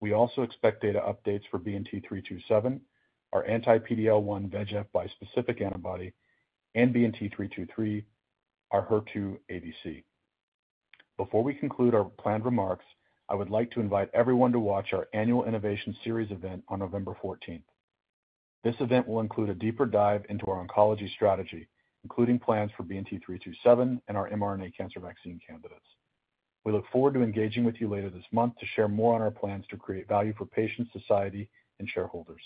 We also expect data updates for BNT327, our anti-PD-L1 VEGF bispecific antibody, and BNT323, our HER2 ADC. Before we conclude our planned remarks, I would like to invite everyone to watch our annual Innovation Series event on November 14. This event will include a deeper dive into our oncology strategy, including plans for BNT327 and our mRNA cancer vaccine candidates. We look forward to engaging with you later this month to share more on our plans to create value for patients, society, and shareholders.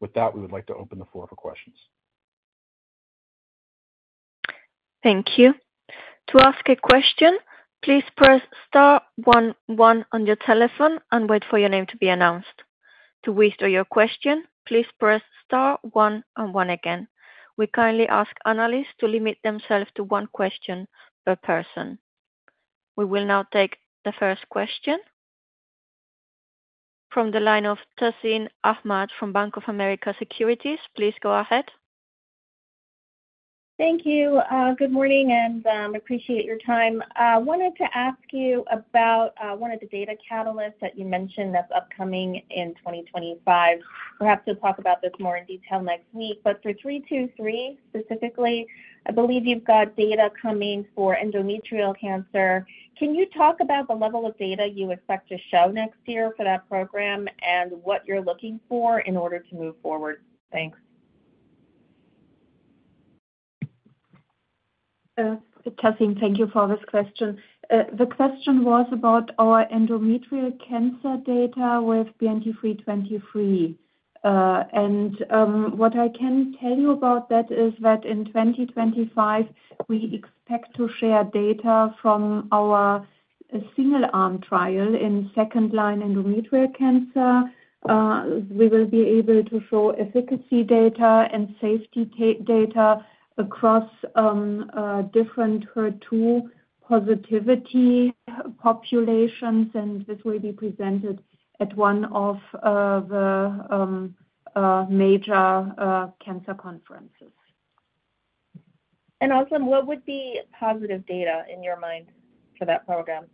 With that, we would like to open the floor for questions. Thank you. To ask a question, please press star one on your telephone and wait for your name to be announced. To whisper your question, please press star one again. We kindly ask analysts to limit themselves to one question per person. We will now take the first question from the line of Tazeen Ahmad from Bank of America Securities. Please go ahead. Thank you. Good morning, and I appreciate your time. I wanted to ask you about one of the data catalysts that you mentioned that's upcoming in 2025. Perhaps we'll talk about this more in detail next week. But for 323 specifically, I believe you've got data coming for endometrial cancer. Can you talk about the level of data you expect to show next year for that program and what you're looking for in order to move forward? Thanks. Tazeen, thank you for this question. The question was about our endometrial cancer data with BNT323. And what I can tell you about that is that in 2025, we expect to share data from our single-arm trial in second-line endometrial cancer. We will be able to show efficacy data and safety data across different HER2 positivity populations, and this will be presented at one of the major cancer conferences. And also, what would be positive data in your mind for that program?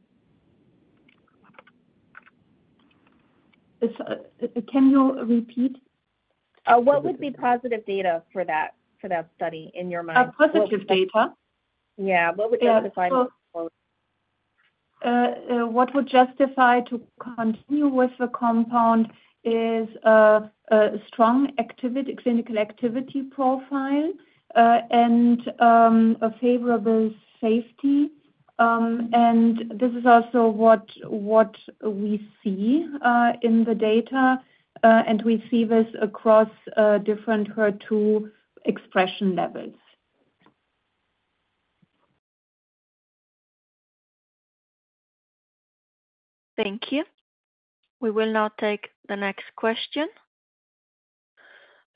Can you repeat? What would be positive data for that study in your mind? Positive data. Yeah. What would justify moving forward? What would justify to continue with the compound is a strong clinical activity profile and a favorable safety. And this is also what we see in the data, and we see this across different HER2 expression levels. Thank you. We will now take the next question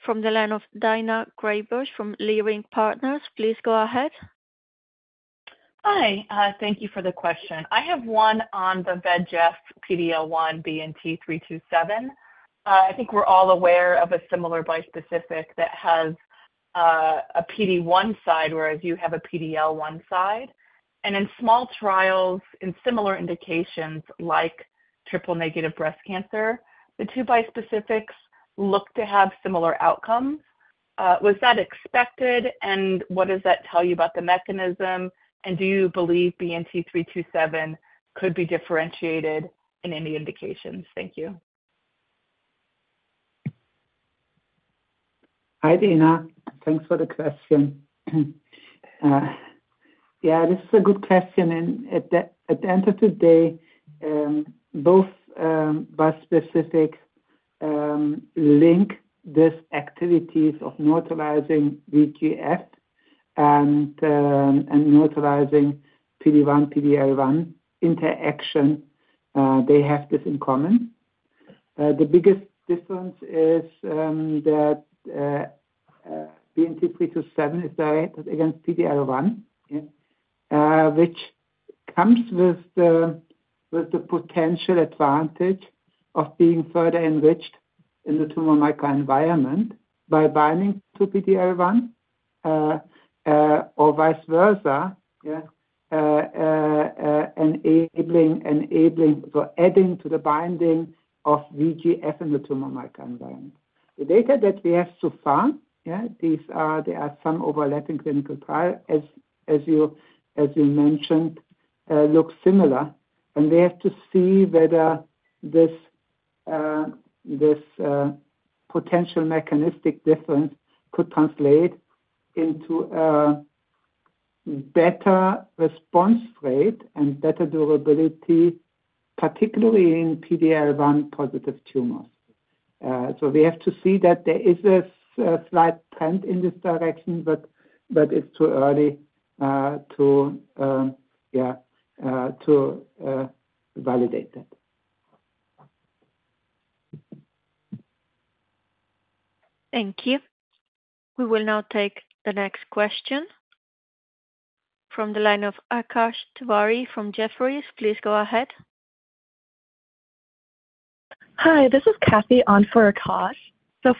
from the line of Daina Graybosch from Leerink Partners. Please go ahead. Hi. Thank you for the question. I have one on the VEGF PD-L1 BNT327. I think we're all aware of a similar bispecific that has a PD-1 side, whereas you have a PD-L1 side. And in small trials in similar indications like triple-negative breast cancer, the two bispecifics look to have similar outcomes. Was that expected, and what does that tell you about the mechanism? And do you believe BNT327 could be differentiated in any indications? Thank you. Hi, Daina. Thanks for the question. Yeah, this is a good question. And at the end of the day, both bispecifics link this activity of neutralizing VEGF and neutralizing PD-1, PD-L1 interaction. They have this in common. The biggest difference is that BNT327 is directed against PD-L1, which comes with the potential advantage of being further enriched in the tumor microenvironment by binding to PD-L1 or vice versa, enabling or adding to the binding of VEGF in the tumor microenvironment. The data that we have so far, there are some overlapping clinical trials, as you mentioned, look similar, and we have to see whether this potential mechanistic difference could translate into a better response rate and better durability, particularly in PD-L1-positive tumors, so we have to see that there is a slight trend in this direction, but it's too early to validate that. Thank you. We will now take the next question from the line of Akash Tewari from Jefferies. Please go ahead. Hi. This is Kathy on for Akash.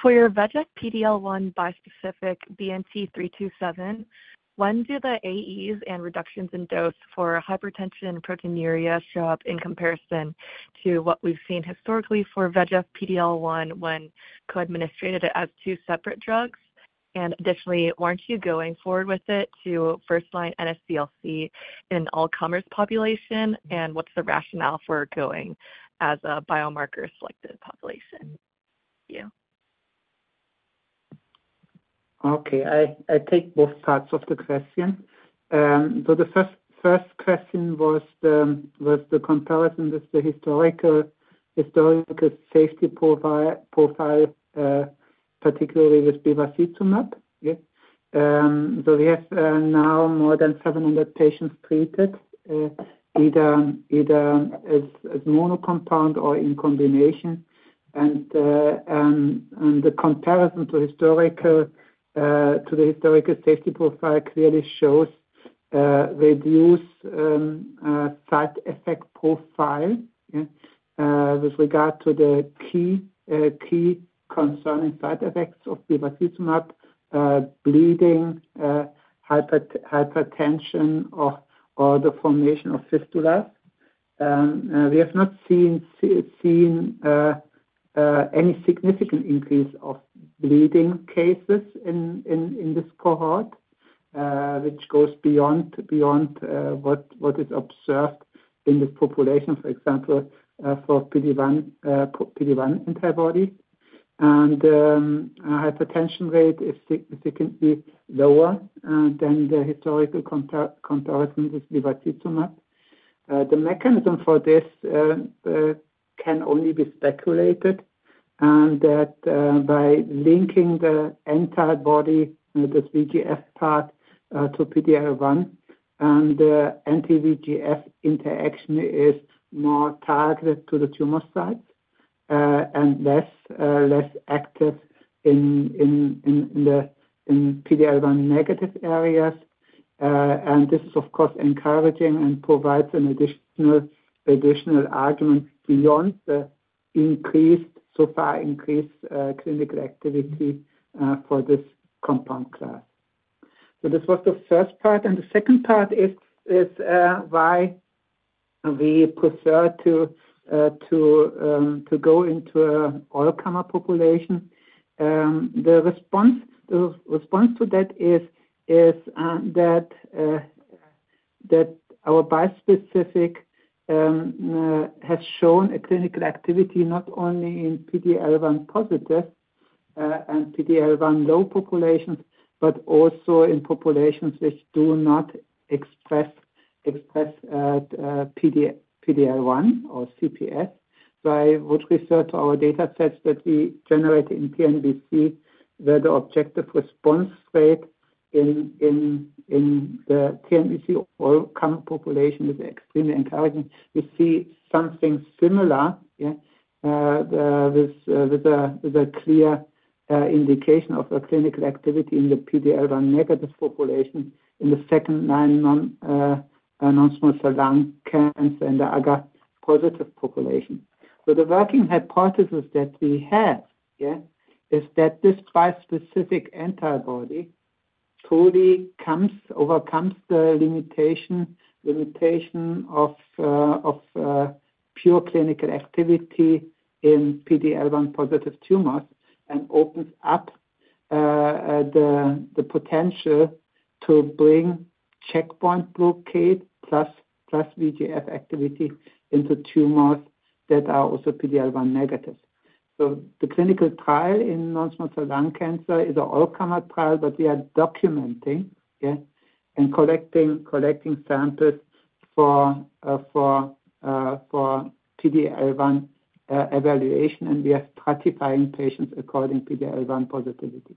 For your VEGF PD-L1 bispecific BNT327, when do the AEs and dose reductions for hypertension and proteinuria show up in comparison to what we've seen historically for VEGF PD-L1 when co-administered as two separate drugs? And additionally, why aren't you going forward with it to first-line NSCLC in an all-comers population? And what's the rationale for going as a biomarker-selected population? Thank you. Okay. I take both parts of the question. So the first question was the comparison with the historical safety profile, particularly with bevacizumab. So we have now more than 700 patients treated either as monotherapy or in combination. And the comparison to the historical safety profile clearly shows reduced side effect profile with regard to the key concerning side effects of bevacizumab: bleeding, hypertension, or the formation of fistulas. We have not seen any significant increase of bleeding cases in this cohort, which goes beyond what is observed in this population, for example, for PD-1 antibodies, and hypertension rate is significantly lower than the historical comparison with bevacizumab. The mechanism for this can only be speculated that by linking the antibody, this VEGF part, to PD-L1, and the anti-VEGF interaction is more targeted to the tumor sites and less active in the PD-L1-negative areas, and this is, of course, encouraging and provides an additional argument beyond the so far increased clinical activity for this compound class. This was the first part, and the second part is why we prefer to go into an all-comer population. The response to that is that our bispecific has shown a clinical activity not only in PD-L1-positive and PD-L1-low populations, but also in populations which do not express PD-L1 or CPS. So I would refer to our data sets that we generated in TNBC where the objective response rate in the TNBC all-comer population is extremely encouraging. We see something similar with a clear indication of a clinical activity in the PD-L1-negative population in the second-line non-small cell lung cancer and the other positive population. So the working hypothesis that we have is that this bispecific antibody truly overcomes the limitation of pure clinical activity in PD-L1-positive tumors and opens up the potential to bring checkpoint blockade plus VEGF activity into tumors that are also PD-L1-negative. So the clinical trial in non-small cell lung cancer is an all-comer trial, but we are documenting and collecting samples for PD-L1 evaluation, and we are stratifying patients according to PD-L1 positivity.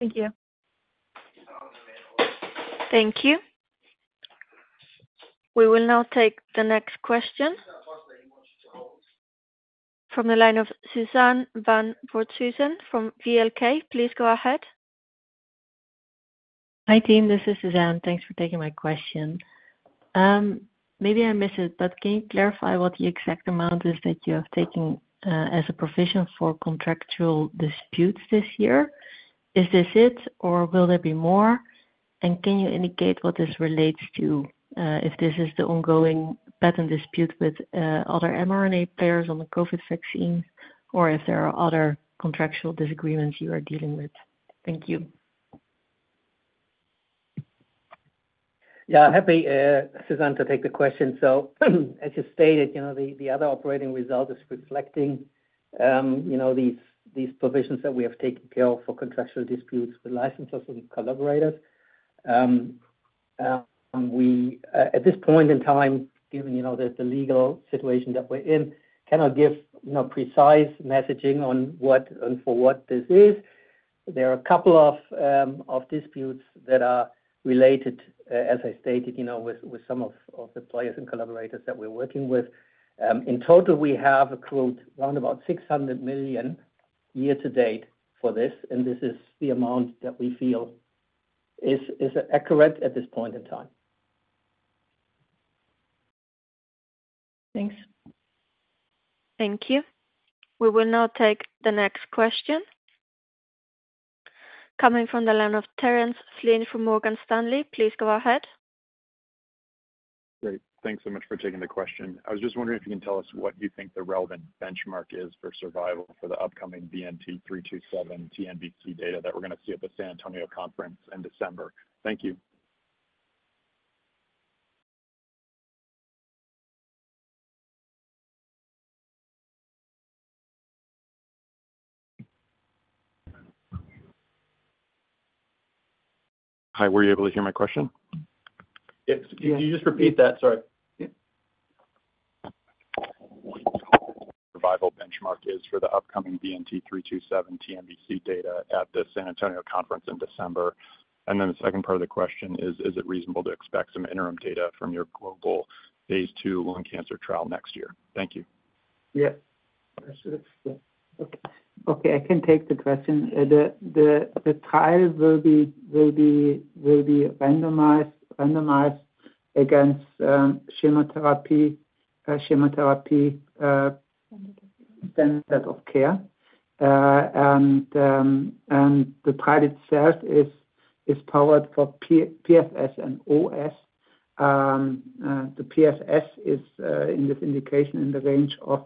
Thank you. Thank you. We will now take the next question from the line of Suzanne van Voorthuizen from VLK. Please go ahead. Hi, team. This is Suzanne. Thanks for taking my question. Maybe I missed it, but can you clarify what the exact amount is that you have taken as a provision for contractual disputes this year? Is this it, or will there be more? And can you indicate what this relates to, if this is the ongoing patent dispute with other mRNA players on the COVID vaccine, or if there are other contractual disagreements you are dealing with? Thank you. Yeah. I'm happy, Suzanne, to take the question. So as you stated, the other operating result is reflecting these provisions that we have taken care of for contractual disputes with licensors and collaborators. At this point in time, given the legal situation that we're in, I cannot give precise messaging on for what this is. There are a couple of disputes that are related, as I stated, with some of the players and collaborators that we're working with. In total, we have accrued around about 600 million year-to-date for this, and this is the amount that we feel is accurate at this point in time. Thanks. Thank you. We will now take the next question coming from the line of Terence Flynn from Morgan Stanley. Please go ahead. Great. Thanks so much for taking the question. I was just wondering if you can tell us what you think the relevant benchmark is for survival for the upcoming BNT327 TNBC data that we're going to see at the San Antonio conference in December. Thank you. Hi. Were you able to hear my question? Yes. Can you just repeat that? Sorry. Yeah. Survival benchmark is for the upcoming BNT327 TNBC data at the San Antonio conference in December. And then the second part of the question is, is it reasonable to expect some interim data from your global phase two lung cancer trial next year? Thank you. Yeah. Okay. I can take the question. The trial will be randomized against chemotherapy standard of care. And the trial itself is powered for PFS and OS. The PFS is, in this indication, in the range of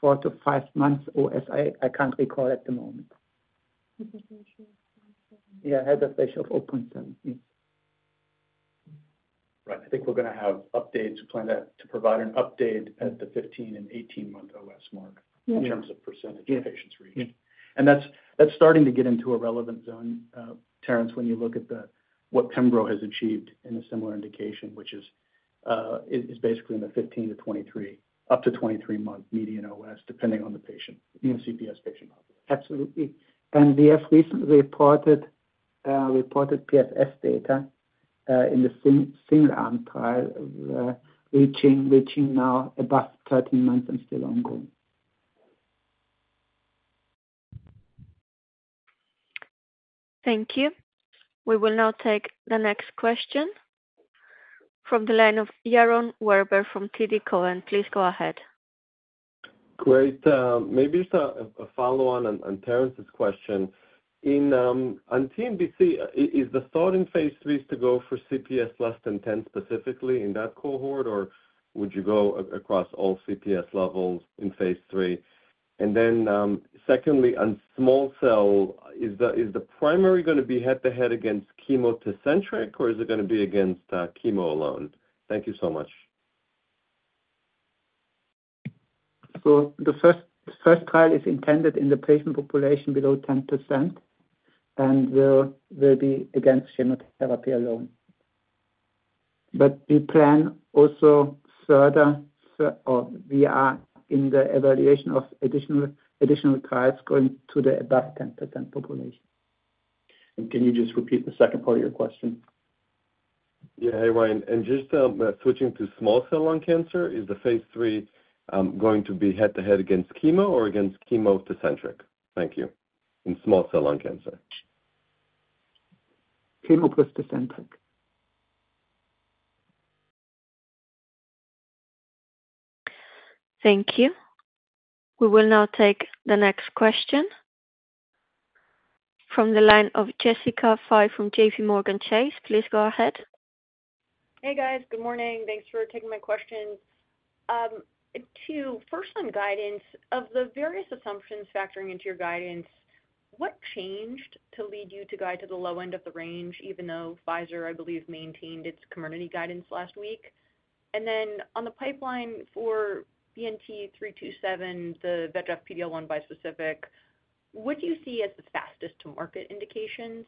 four to five months. OS, I can't recall at the moment. Yeah. Hazard ratio of 0.7. Yes. Right. I think we're going to provide an update at the 15- and 18-month OS mark in terms of percentage of patients reached. And that's starting to get into a relevant zone, Terence, when you look at what Pembro has achieved in a similar indication, which is basically in the 15- to 23-month median OS, depending on the CPS patient population. Absolutely. And we have recently reported PFS data in the single-arm trial, reaching now above 13 months and still ongoing. Thank you. We will now take the next question from the line of Yaron Werber from TD Cowen. Please go ahead. Great. Maybe just a follow-on on Terence's question. On TNBC, is the starting phase three to go for CPS less than 10 specifically in that cohort, or would you go across all CPS levels in phase three? And then secondly, on small cell, is the primary going to be head-to-head against chemo + Tecentriq, or is it going to be against chemo alone? Thank you so much. So the first trial is intended in the patient population below 10%, and we'll be against chemotherapy alone. But we plan also further or we are in the evaluation of additional trials going to the above 10% population. And can you just repeat the second part of your question? Yeah. Hey, Ryan. And just switching to small cell lung cancer, is the phase three going to be head-to-head against chemo or against chemo-Tecentriq? Thank you. In small cell lung cancer? Chemo-Tecentriq. Thank you. We will now take the next question from the line of Jessica Fye from J.P. Morgan Chase. Please go ahead. Hey, guys. Good morning. Thanks for taking my questions. First, on guidance, of the various assumptions factoring into your guidance, what changed to lead you to guide to the low end of the range, even though Pfizer, I believe, maintained its Comirnaty guidance last week? And then on the pipeline for BNT327, the VEGF PD-L1 bispecific, what do you see as the fastest-to-market indications?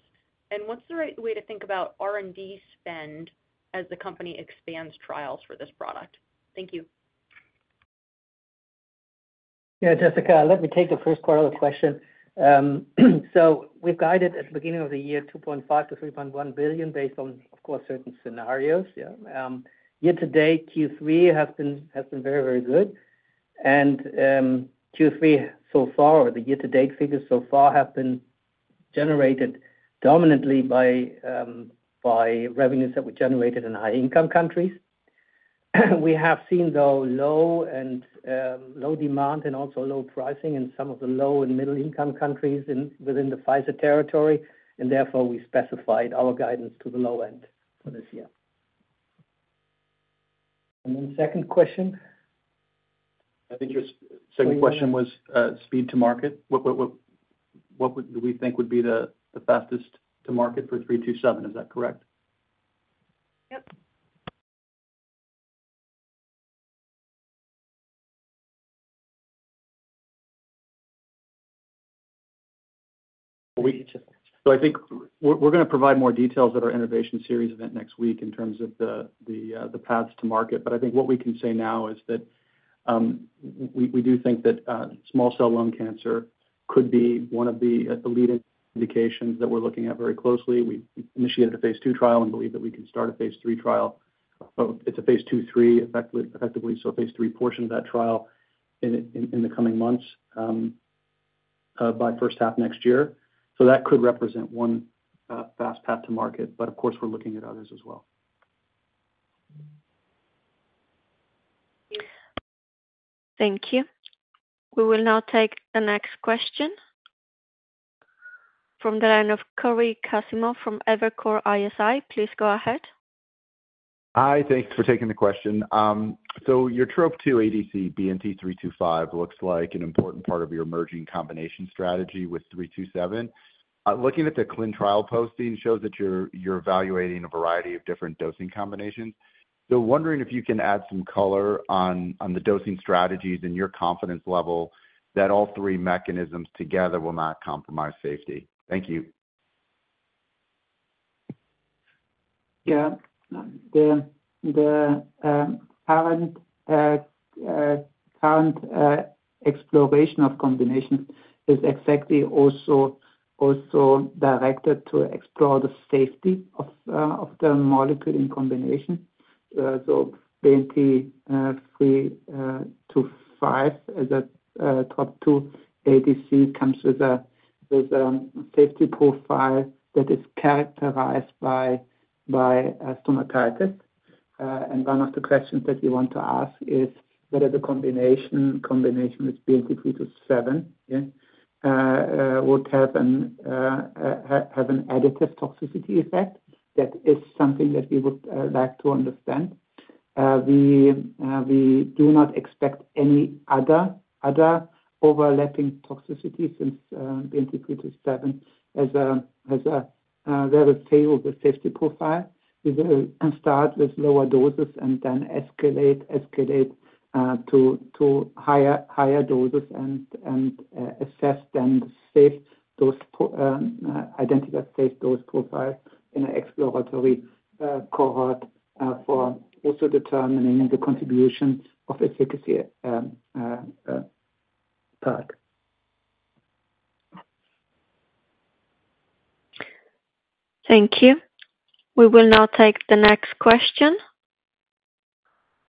And what's the right way to think about R&D spend as the company expands trials for this product? Thank you. Yeah. Jessica, let me take the first part of the question. So we've guided at the beginning of the year 2.5 billion-3.1 billion based on, of course, certain scenarios. Year-to-date Q3 has been very, very good. And Q3 so far, or the year-to-date figures so far, have been generated dominantly by revenues that were generated in high-income countries. We have seen, though, low demand and also low pricing in some of the low and middle-income countries within the Pfizer territory. And therefore, we specified our guidance to the low end for this year. And then second question. I think your second question was speed to market. What do we think would be the fastest-to-market for 327? Is that correct? Yep. So I think we're going to provide more details at our innovation series event next week in terms of the paths to market. But I think what we can say now is that we do think that small cell lung cancer could be one of the leading indications that we're looking at very closely. We initiated a phase two trial and believe that we can start a phase three trial. It's a phase two-three effectively, so a phase three portion of that trial in the coming months by first half next year. So that could represent one fast path to market. But of course, we're looking at others as well. Thank you. We will now take the next question from the line of Cory Kasimov from Evercore ISI. Please go ahead. Hi. Thanks for taking the question. So your TROP2 ADC BNT325 looks like an important part of your emerging combination strategy with 327. Looking at the clinical trial posting shows that you're evaluating a variety of different dosing combinations. So wondering if you can add some color on the dosing strategies and your confidence level that all three mechanisms together will not compromise safety. Thank you. Yeah. The current exploration of combinations is exactly also directed to explore the safety of the molecule in combination. So BNT325, the TROP2 ADC, comes with a safety profile that is characterized by stomatitis. And one of the questions that we want to ask is whether the combination with BNT327 would have an additive toxicity effect. That is something that we would like to understand. We do not expect any other overlapping toxicity since BNT327 has a very stable safety profile. We will start with lower doses and then escalate to higher doses and assess then identify safe dose profile in an exploratory cohort for also determining the contribution of efficacy part. Thank you. We will now take the next question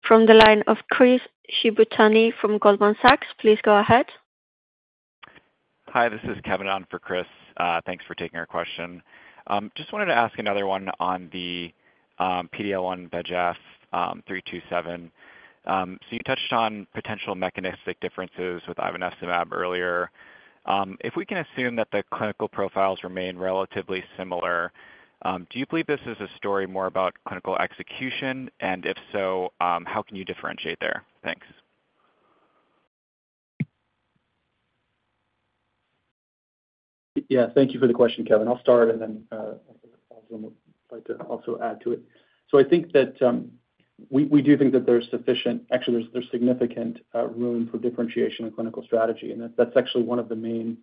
from the line of Chris Shibutani from Goldman Sachs. Please go ahead. Hi. This is Kevin on for Chris. Thanks for taking our question. Just wanted to ask another one on the PD-L1 VEGF 327. So you touched on potential mechanistic differences with Ivonescimab earlier. If we can assume that the clinical profiles remain relatively similar, do you believe this is a story more about clinical execution? And if so, how can you differentiate there? Thanks. Yeah. Thank you for the question, Kevin. I'll start, and then I'd like to also add to it. I think that we do think that there's sufficient, actually, there's significant room for differentiation in clinical strategy. That's actually one of the main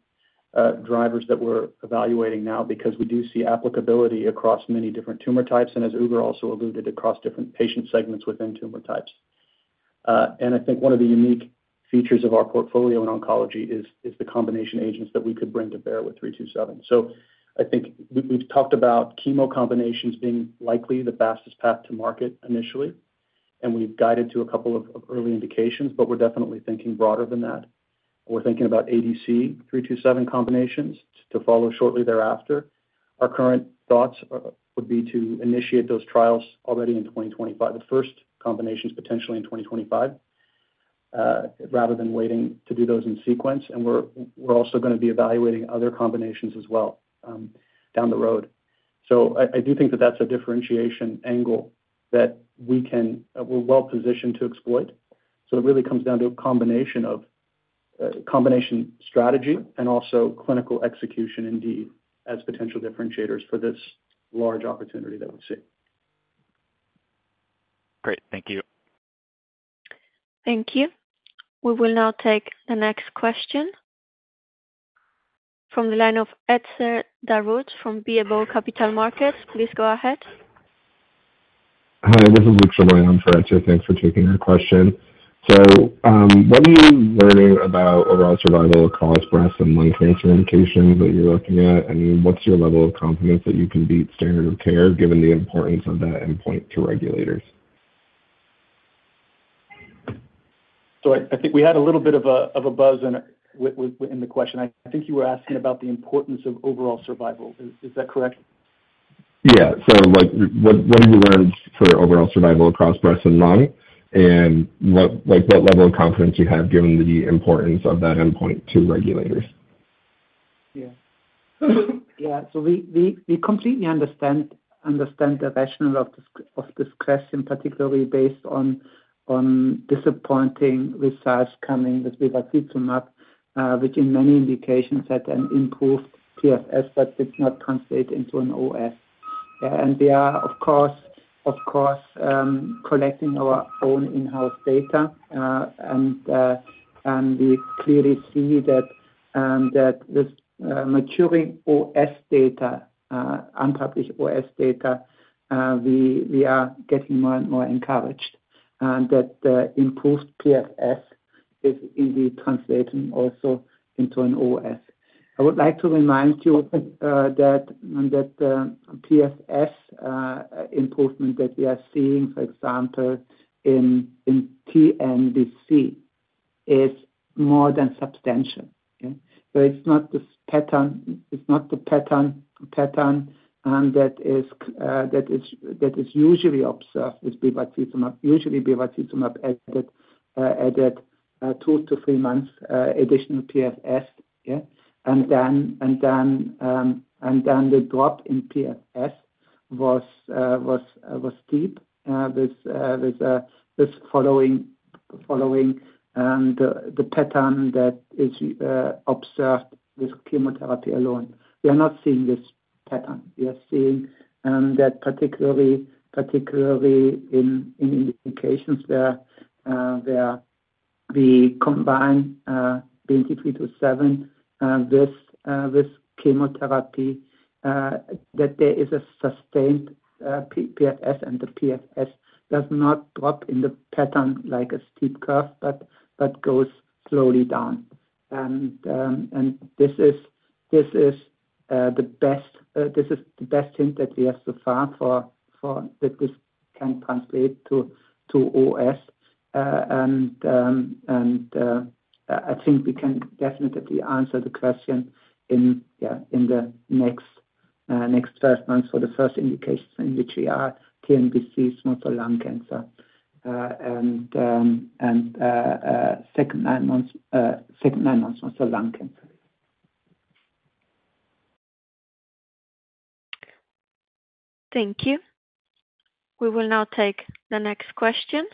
drivers that we're evaluating now because we do see applicability across many different tumor types, and as Ugur also alluded, across different patient segments within tumor types. I think one of the unique features of our portfolio in oncology is the combination agents that we could bring to bear with 327. I think we've talked about chemo combinations being likely the fastest path to market initially, and we've guided to a couple of early indications, but we're definitely thinking broader than that. We're thinking about ADC 327 combinations to follow shortly thereafter. Our current thoughts would be to initiate those trials already in 2025, the first combinations potentially in 2025, rather than waiting to do those in sequence. And we're also going to be evaluating other combinations as well down the road. So I do think that that's a differentiation angle that we're well-positioned to exploit. So it really comes down to a combination strategy and also clinical execution indeed as potential differentiators for this large opportunity that we see. Great. Thank you. Thank you. We will now take the next question from the line of Etzer Darout from BMO Capital Markets. Please go ahead. Hi. This is Etzer Darout at BMO Capital Markets. Thanks for taking our question. So what are you learning about overall survival in advanced breast and lung cancer indications that you're looking at? And what's your level of confidence that you can beat standard of care given the importance of that endpoint to regulators? So I think we had a little bit of a buzz in the question. I think you were asking about the importance of overall survival. Is that correct? Yeah. So what have you learned for overall survival across breast and lung? And what level of confidence do you have given the importance of that endpoint to regulators? Yeah. Yeah. So we completely understand the rationale of this question, particularly based on disappointing results coming with Bevacizumab, which in many indications had an improved PFS, but did not translate into an OS. And we are, of course, collecting our own in-house data. And we clearly see that this maturing OS data, unpublished OS data, we are getting more and more encouraged that the improved PFS is indeed translating also into an OS. I would like to remind you that the PFS improvement that we are seeing, for example, in TNBC is more than substantial. It is not the pattern that is usually observed with Bevacizumab. Usually Bevacizumab added two-to-three months additional PFS. And then the drop in PFS was steep, following the pattern that is observed with chemotherapy alone. We are not seeing this pattern. We are seeing that particularly in indications where we combine BNT327 with chemotherapy, that there is a sustained PFS, and the PFS does not drop in the pattern like a steep curve but goes slowly down. And this is the best hint that we have so far that this can translate to OS. And I think we can definitely answer the question in the next few months for the first indications in which we are TNBC, small cell lung cancer, and in nine months small cell lung cancer. Thank you. We will now take the next question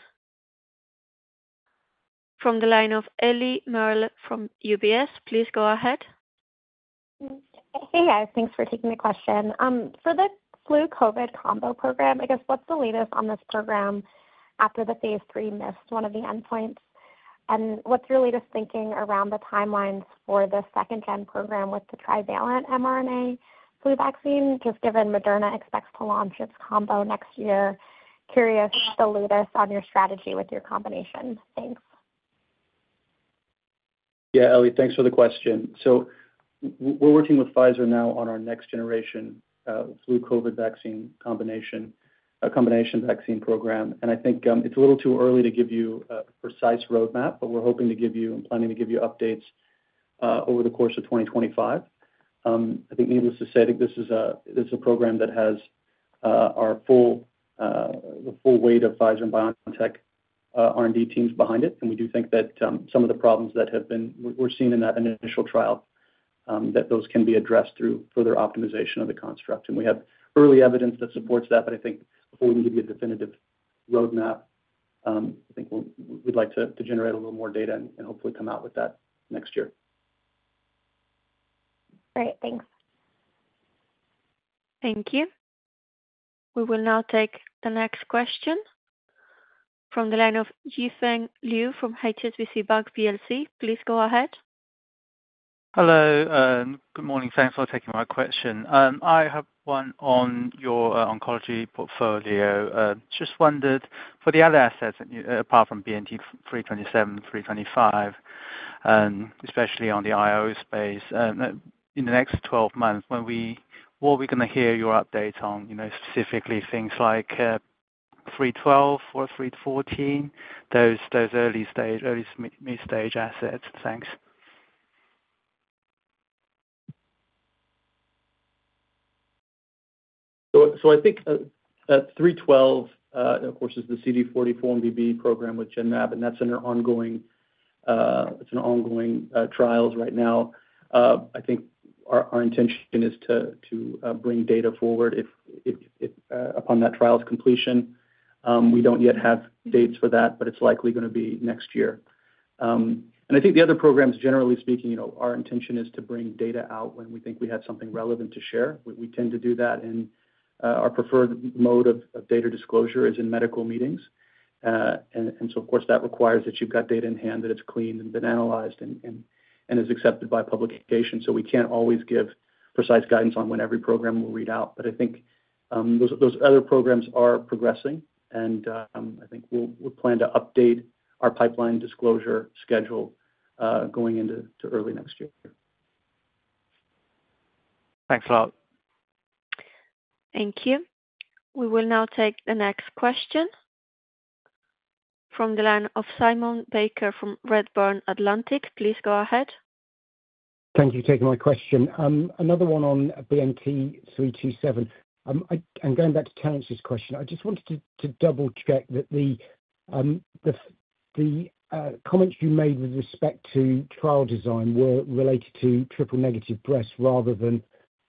from the line of Eliana Merle from UBS. Please go ahead. Hey, guys. Thanks for taking the question. For the flu/COVID combo program, I guess, what's the latest on this program after the phase three missed one of the endpoints? And what's your latest thinking around the timelines for the second-gen program with the trivalent mRNA flu vaccine, just given Moderna expects to launch its combo next year? Curious the latest on your strategy with your combination. Thanks. Yeah. Eliana, thanks for the question. So we're working with Pfizer now on our next-generation flu/COVID vaccine combination vaccine program. And I think it's a little too early to give you a precise roadmap, but we're hoping to give you and planning to give you updates over the course of 2025. I think, needless to say, I think this is a program that has the full weight of Pfizer and BioNTech R&D teams behind it. And we do think that some of the problems that we've been seeing in that initial trial, that those can be addressed through further optimization of the construct. And we have early evidence that supports that. But I think before we can give you a definitive roadmap, I think we'd like to generate a little more data and hopefully come out with that next year. Great. Thanks. Thank you. We will now take the next question from the line of Yifeng Liu from HSBC Bank PLC. Please go ahead. Hello. Good morning. Thanks for taking my question. I have one on your oncology portfolio. Just wondered, for the other assets apart from BNT327, BNT325, especially on the IO space, in the next 12 months, what are we going to hear your updates on, specifically things like BNT312 or BNT314, those early-stage, early-mid-stage assets? Thanks. So I think BNT312, of course, is the CD40 and 4-1BB program with Genmab. And that's in our ongoing trials right now. I think our intention is to bring data forward upon that trial's completion. We don't yet have dates for that, but it's likely going to be next year. And I think the other programs, generally speaking, our intention is to bring data out when we think we have something relevant to share. We tend to do that. And our preferred mode of data disclosure is in medical meetings. And so, of course, that requires that you've got data in hand that is cleaned and been analyzed and is accepted by publication. So we can't always give precise guidance on when every program will read out. But I think those other programs are progressing. And I think we'll plan to update our pipeline disclosure schedule going into early next year. Thanks a lot. Thank you. We will now take the next question from the line of Simon Baker from Redburn Atlantic. Please go ahead. Thank you for taking my question. Another one on BNT327. And going back to Terence's question, I just wanted to double-check that the comments you made with respect to trial design were related to triple-negative breast rather than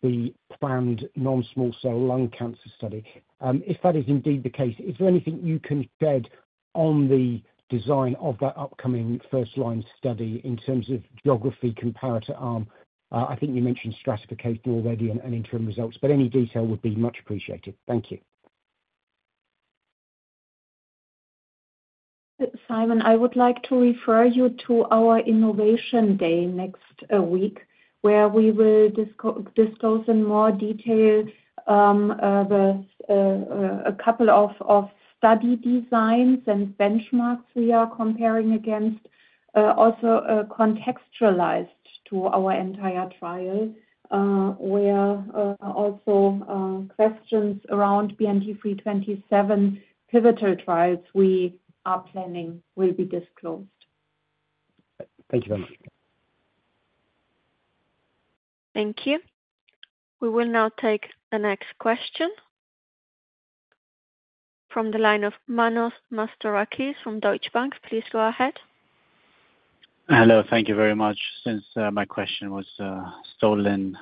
the planned non-small cell lung cancer study. If that is indeed the case, is there anything you can shed on the design of that upcoming first-line study in terms of geography comparator arm? I think you mentioned stratification already and interim results, but any detail would be much appreciated. Thank you. Simon, I would like to refer you to our Innovation Day next week, where we will discuss in more detail a couple of study designs and benchmarks we are comparing against, also contextualized to our entire trial, where also questions around BNT327 pivotal trials we are planning will be disclosed. Thank you very much. Thank you. We will now take the next question from the line of Emmanuel Papadakis from Deutsche Bank. Please go ahead. Hello. Thank you very much since my question was stolen.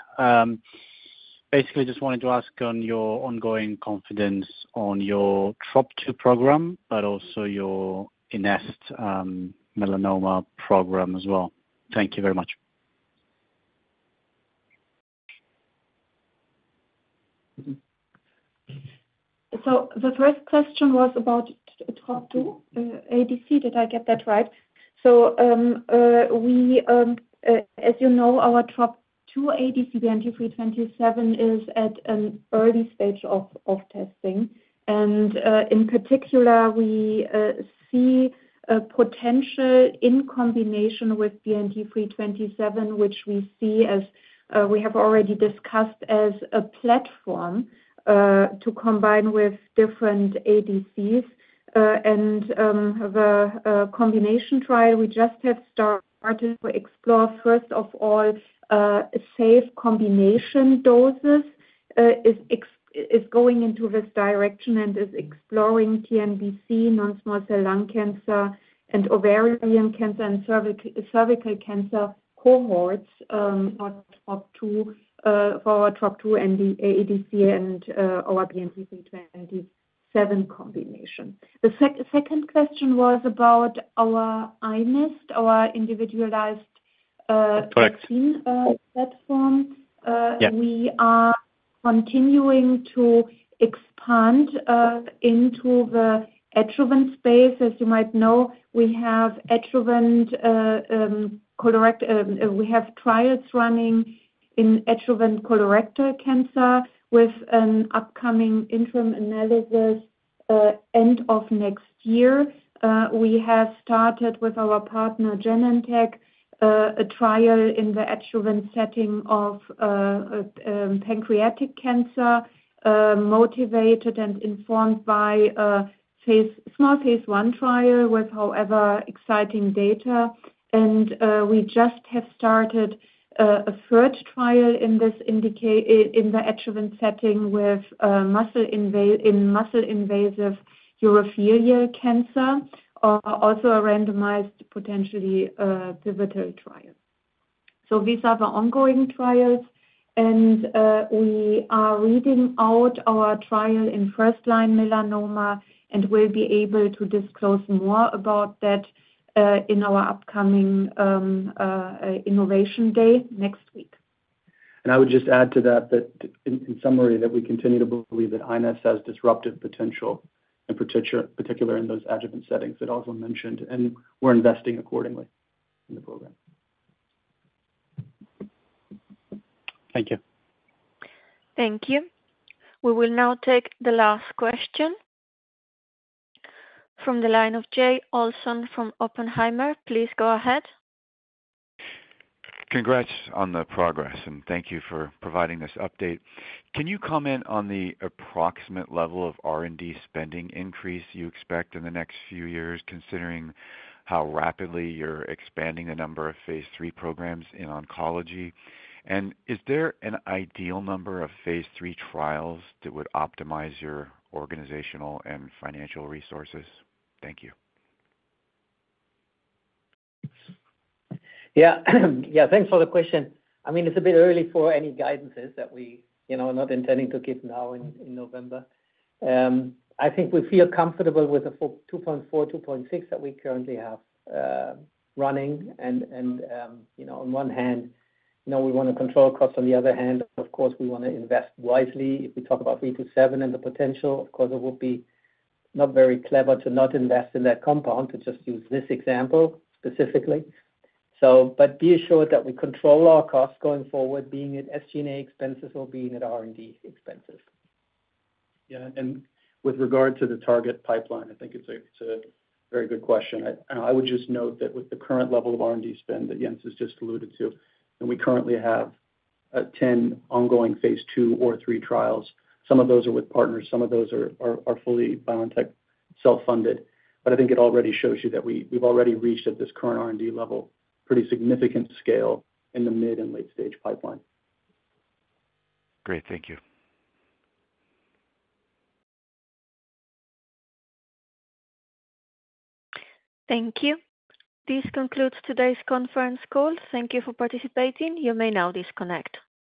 Basically, just wanted to ask on your ongoing confidence on your TROP2 program, but also your iNeST melanoma program as well. Thank you very much. So the first question was about TROP2 ADC. Did I get that right? So as you know, our TROP2 ADC BNT325 is at an early stage of testing. And in particular, we see potential in combination with BNT327, which we see as we have already discussed as a platform to combine with different ADCs. And the combination trial we just have started to explore, first of all, safe combination doses, is going into this direction and is exploring TNBC, non-small cell lung cancer, and ovarian cancer, and cervical cancer cohorts for our TROP2 ADC and our BNT327 combination. The second question was about our iNeST, our individualized vaccine platform. We are continuing to expand into the adjuvant space. As you might know, we have trials running in adjuvant colorectal cancer with an upcoming interim analysis end of next year. We have started with our partner Genentech a trial in the adjuvant setting of pancreatic cancer, motivated and informed by small phase one trial with, however, exciting data, and we just have started a third trial in the adjuvant setting in muscle-invasive urothelial cancer, also a randomized, potentially pivotal trial. So these are the ongoing trials, and we are reading out our trial in first-line melanoma and will be able to disclose more about that in our upcoming Innovation Day next week, and I would just add to that that in summary, that we continue to believe that iNeST has disruptive potential, in particular in those adjuvant settings that Ozlem mentioned. And we're investing accordingly in the program. Thank you. Thank you. We will now take the last question from the line of Jay Olson from Oppenheimer. Please go ahead. Congrats on the progress. Thank you for providing this update. Can you comment on the approximate level of R&D spending increase you expect in the next few years, considering how rapidly you're expanding the number of phase three programs in oncology? And is there an ideal number of phase three trials that would optimize your organizational and financial resources? Thank you. Yeah. Yeah. Thanks for the question. I mean, it's a bit early for any guidances that we are not intending to give now in November. I think we feel comfortable with the 2.4-2.6 that we currently have running. And on one hand, we want to control costs. On the other hand, of course, we want to invest wisely. If we talk about 327 and the potential, of course, it would be not very clever to not invest in that compound, to just use this example specifically. But be assured that we control our costs going forward, be it SG&A expenses or be it R&D expenses. Yeah. And with regard to the target pipeline, I think it's a very good question. I would just note that with the current level of R&D spend that Jens has just alluded to, and we currently have 10 ongoing phase two or three trials. Some of those are with partners. Some of those are fully BioNTech self-funded. But I think it already shows you that we've already reached at this current R&D level pretty significant scale in the mid- and late-stage pipeline. Great. Thank you. Thank you. This concludes today's conference call. Thank you for participating. You may now disconnect.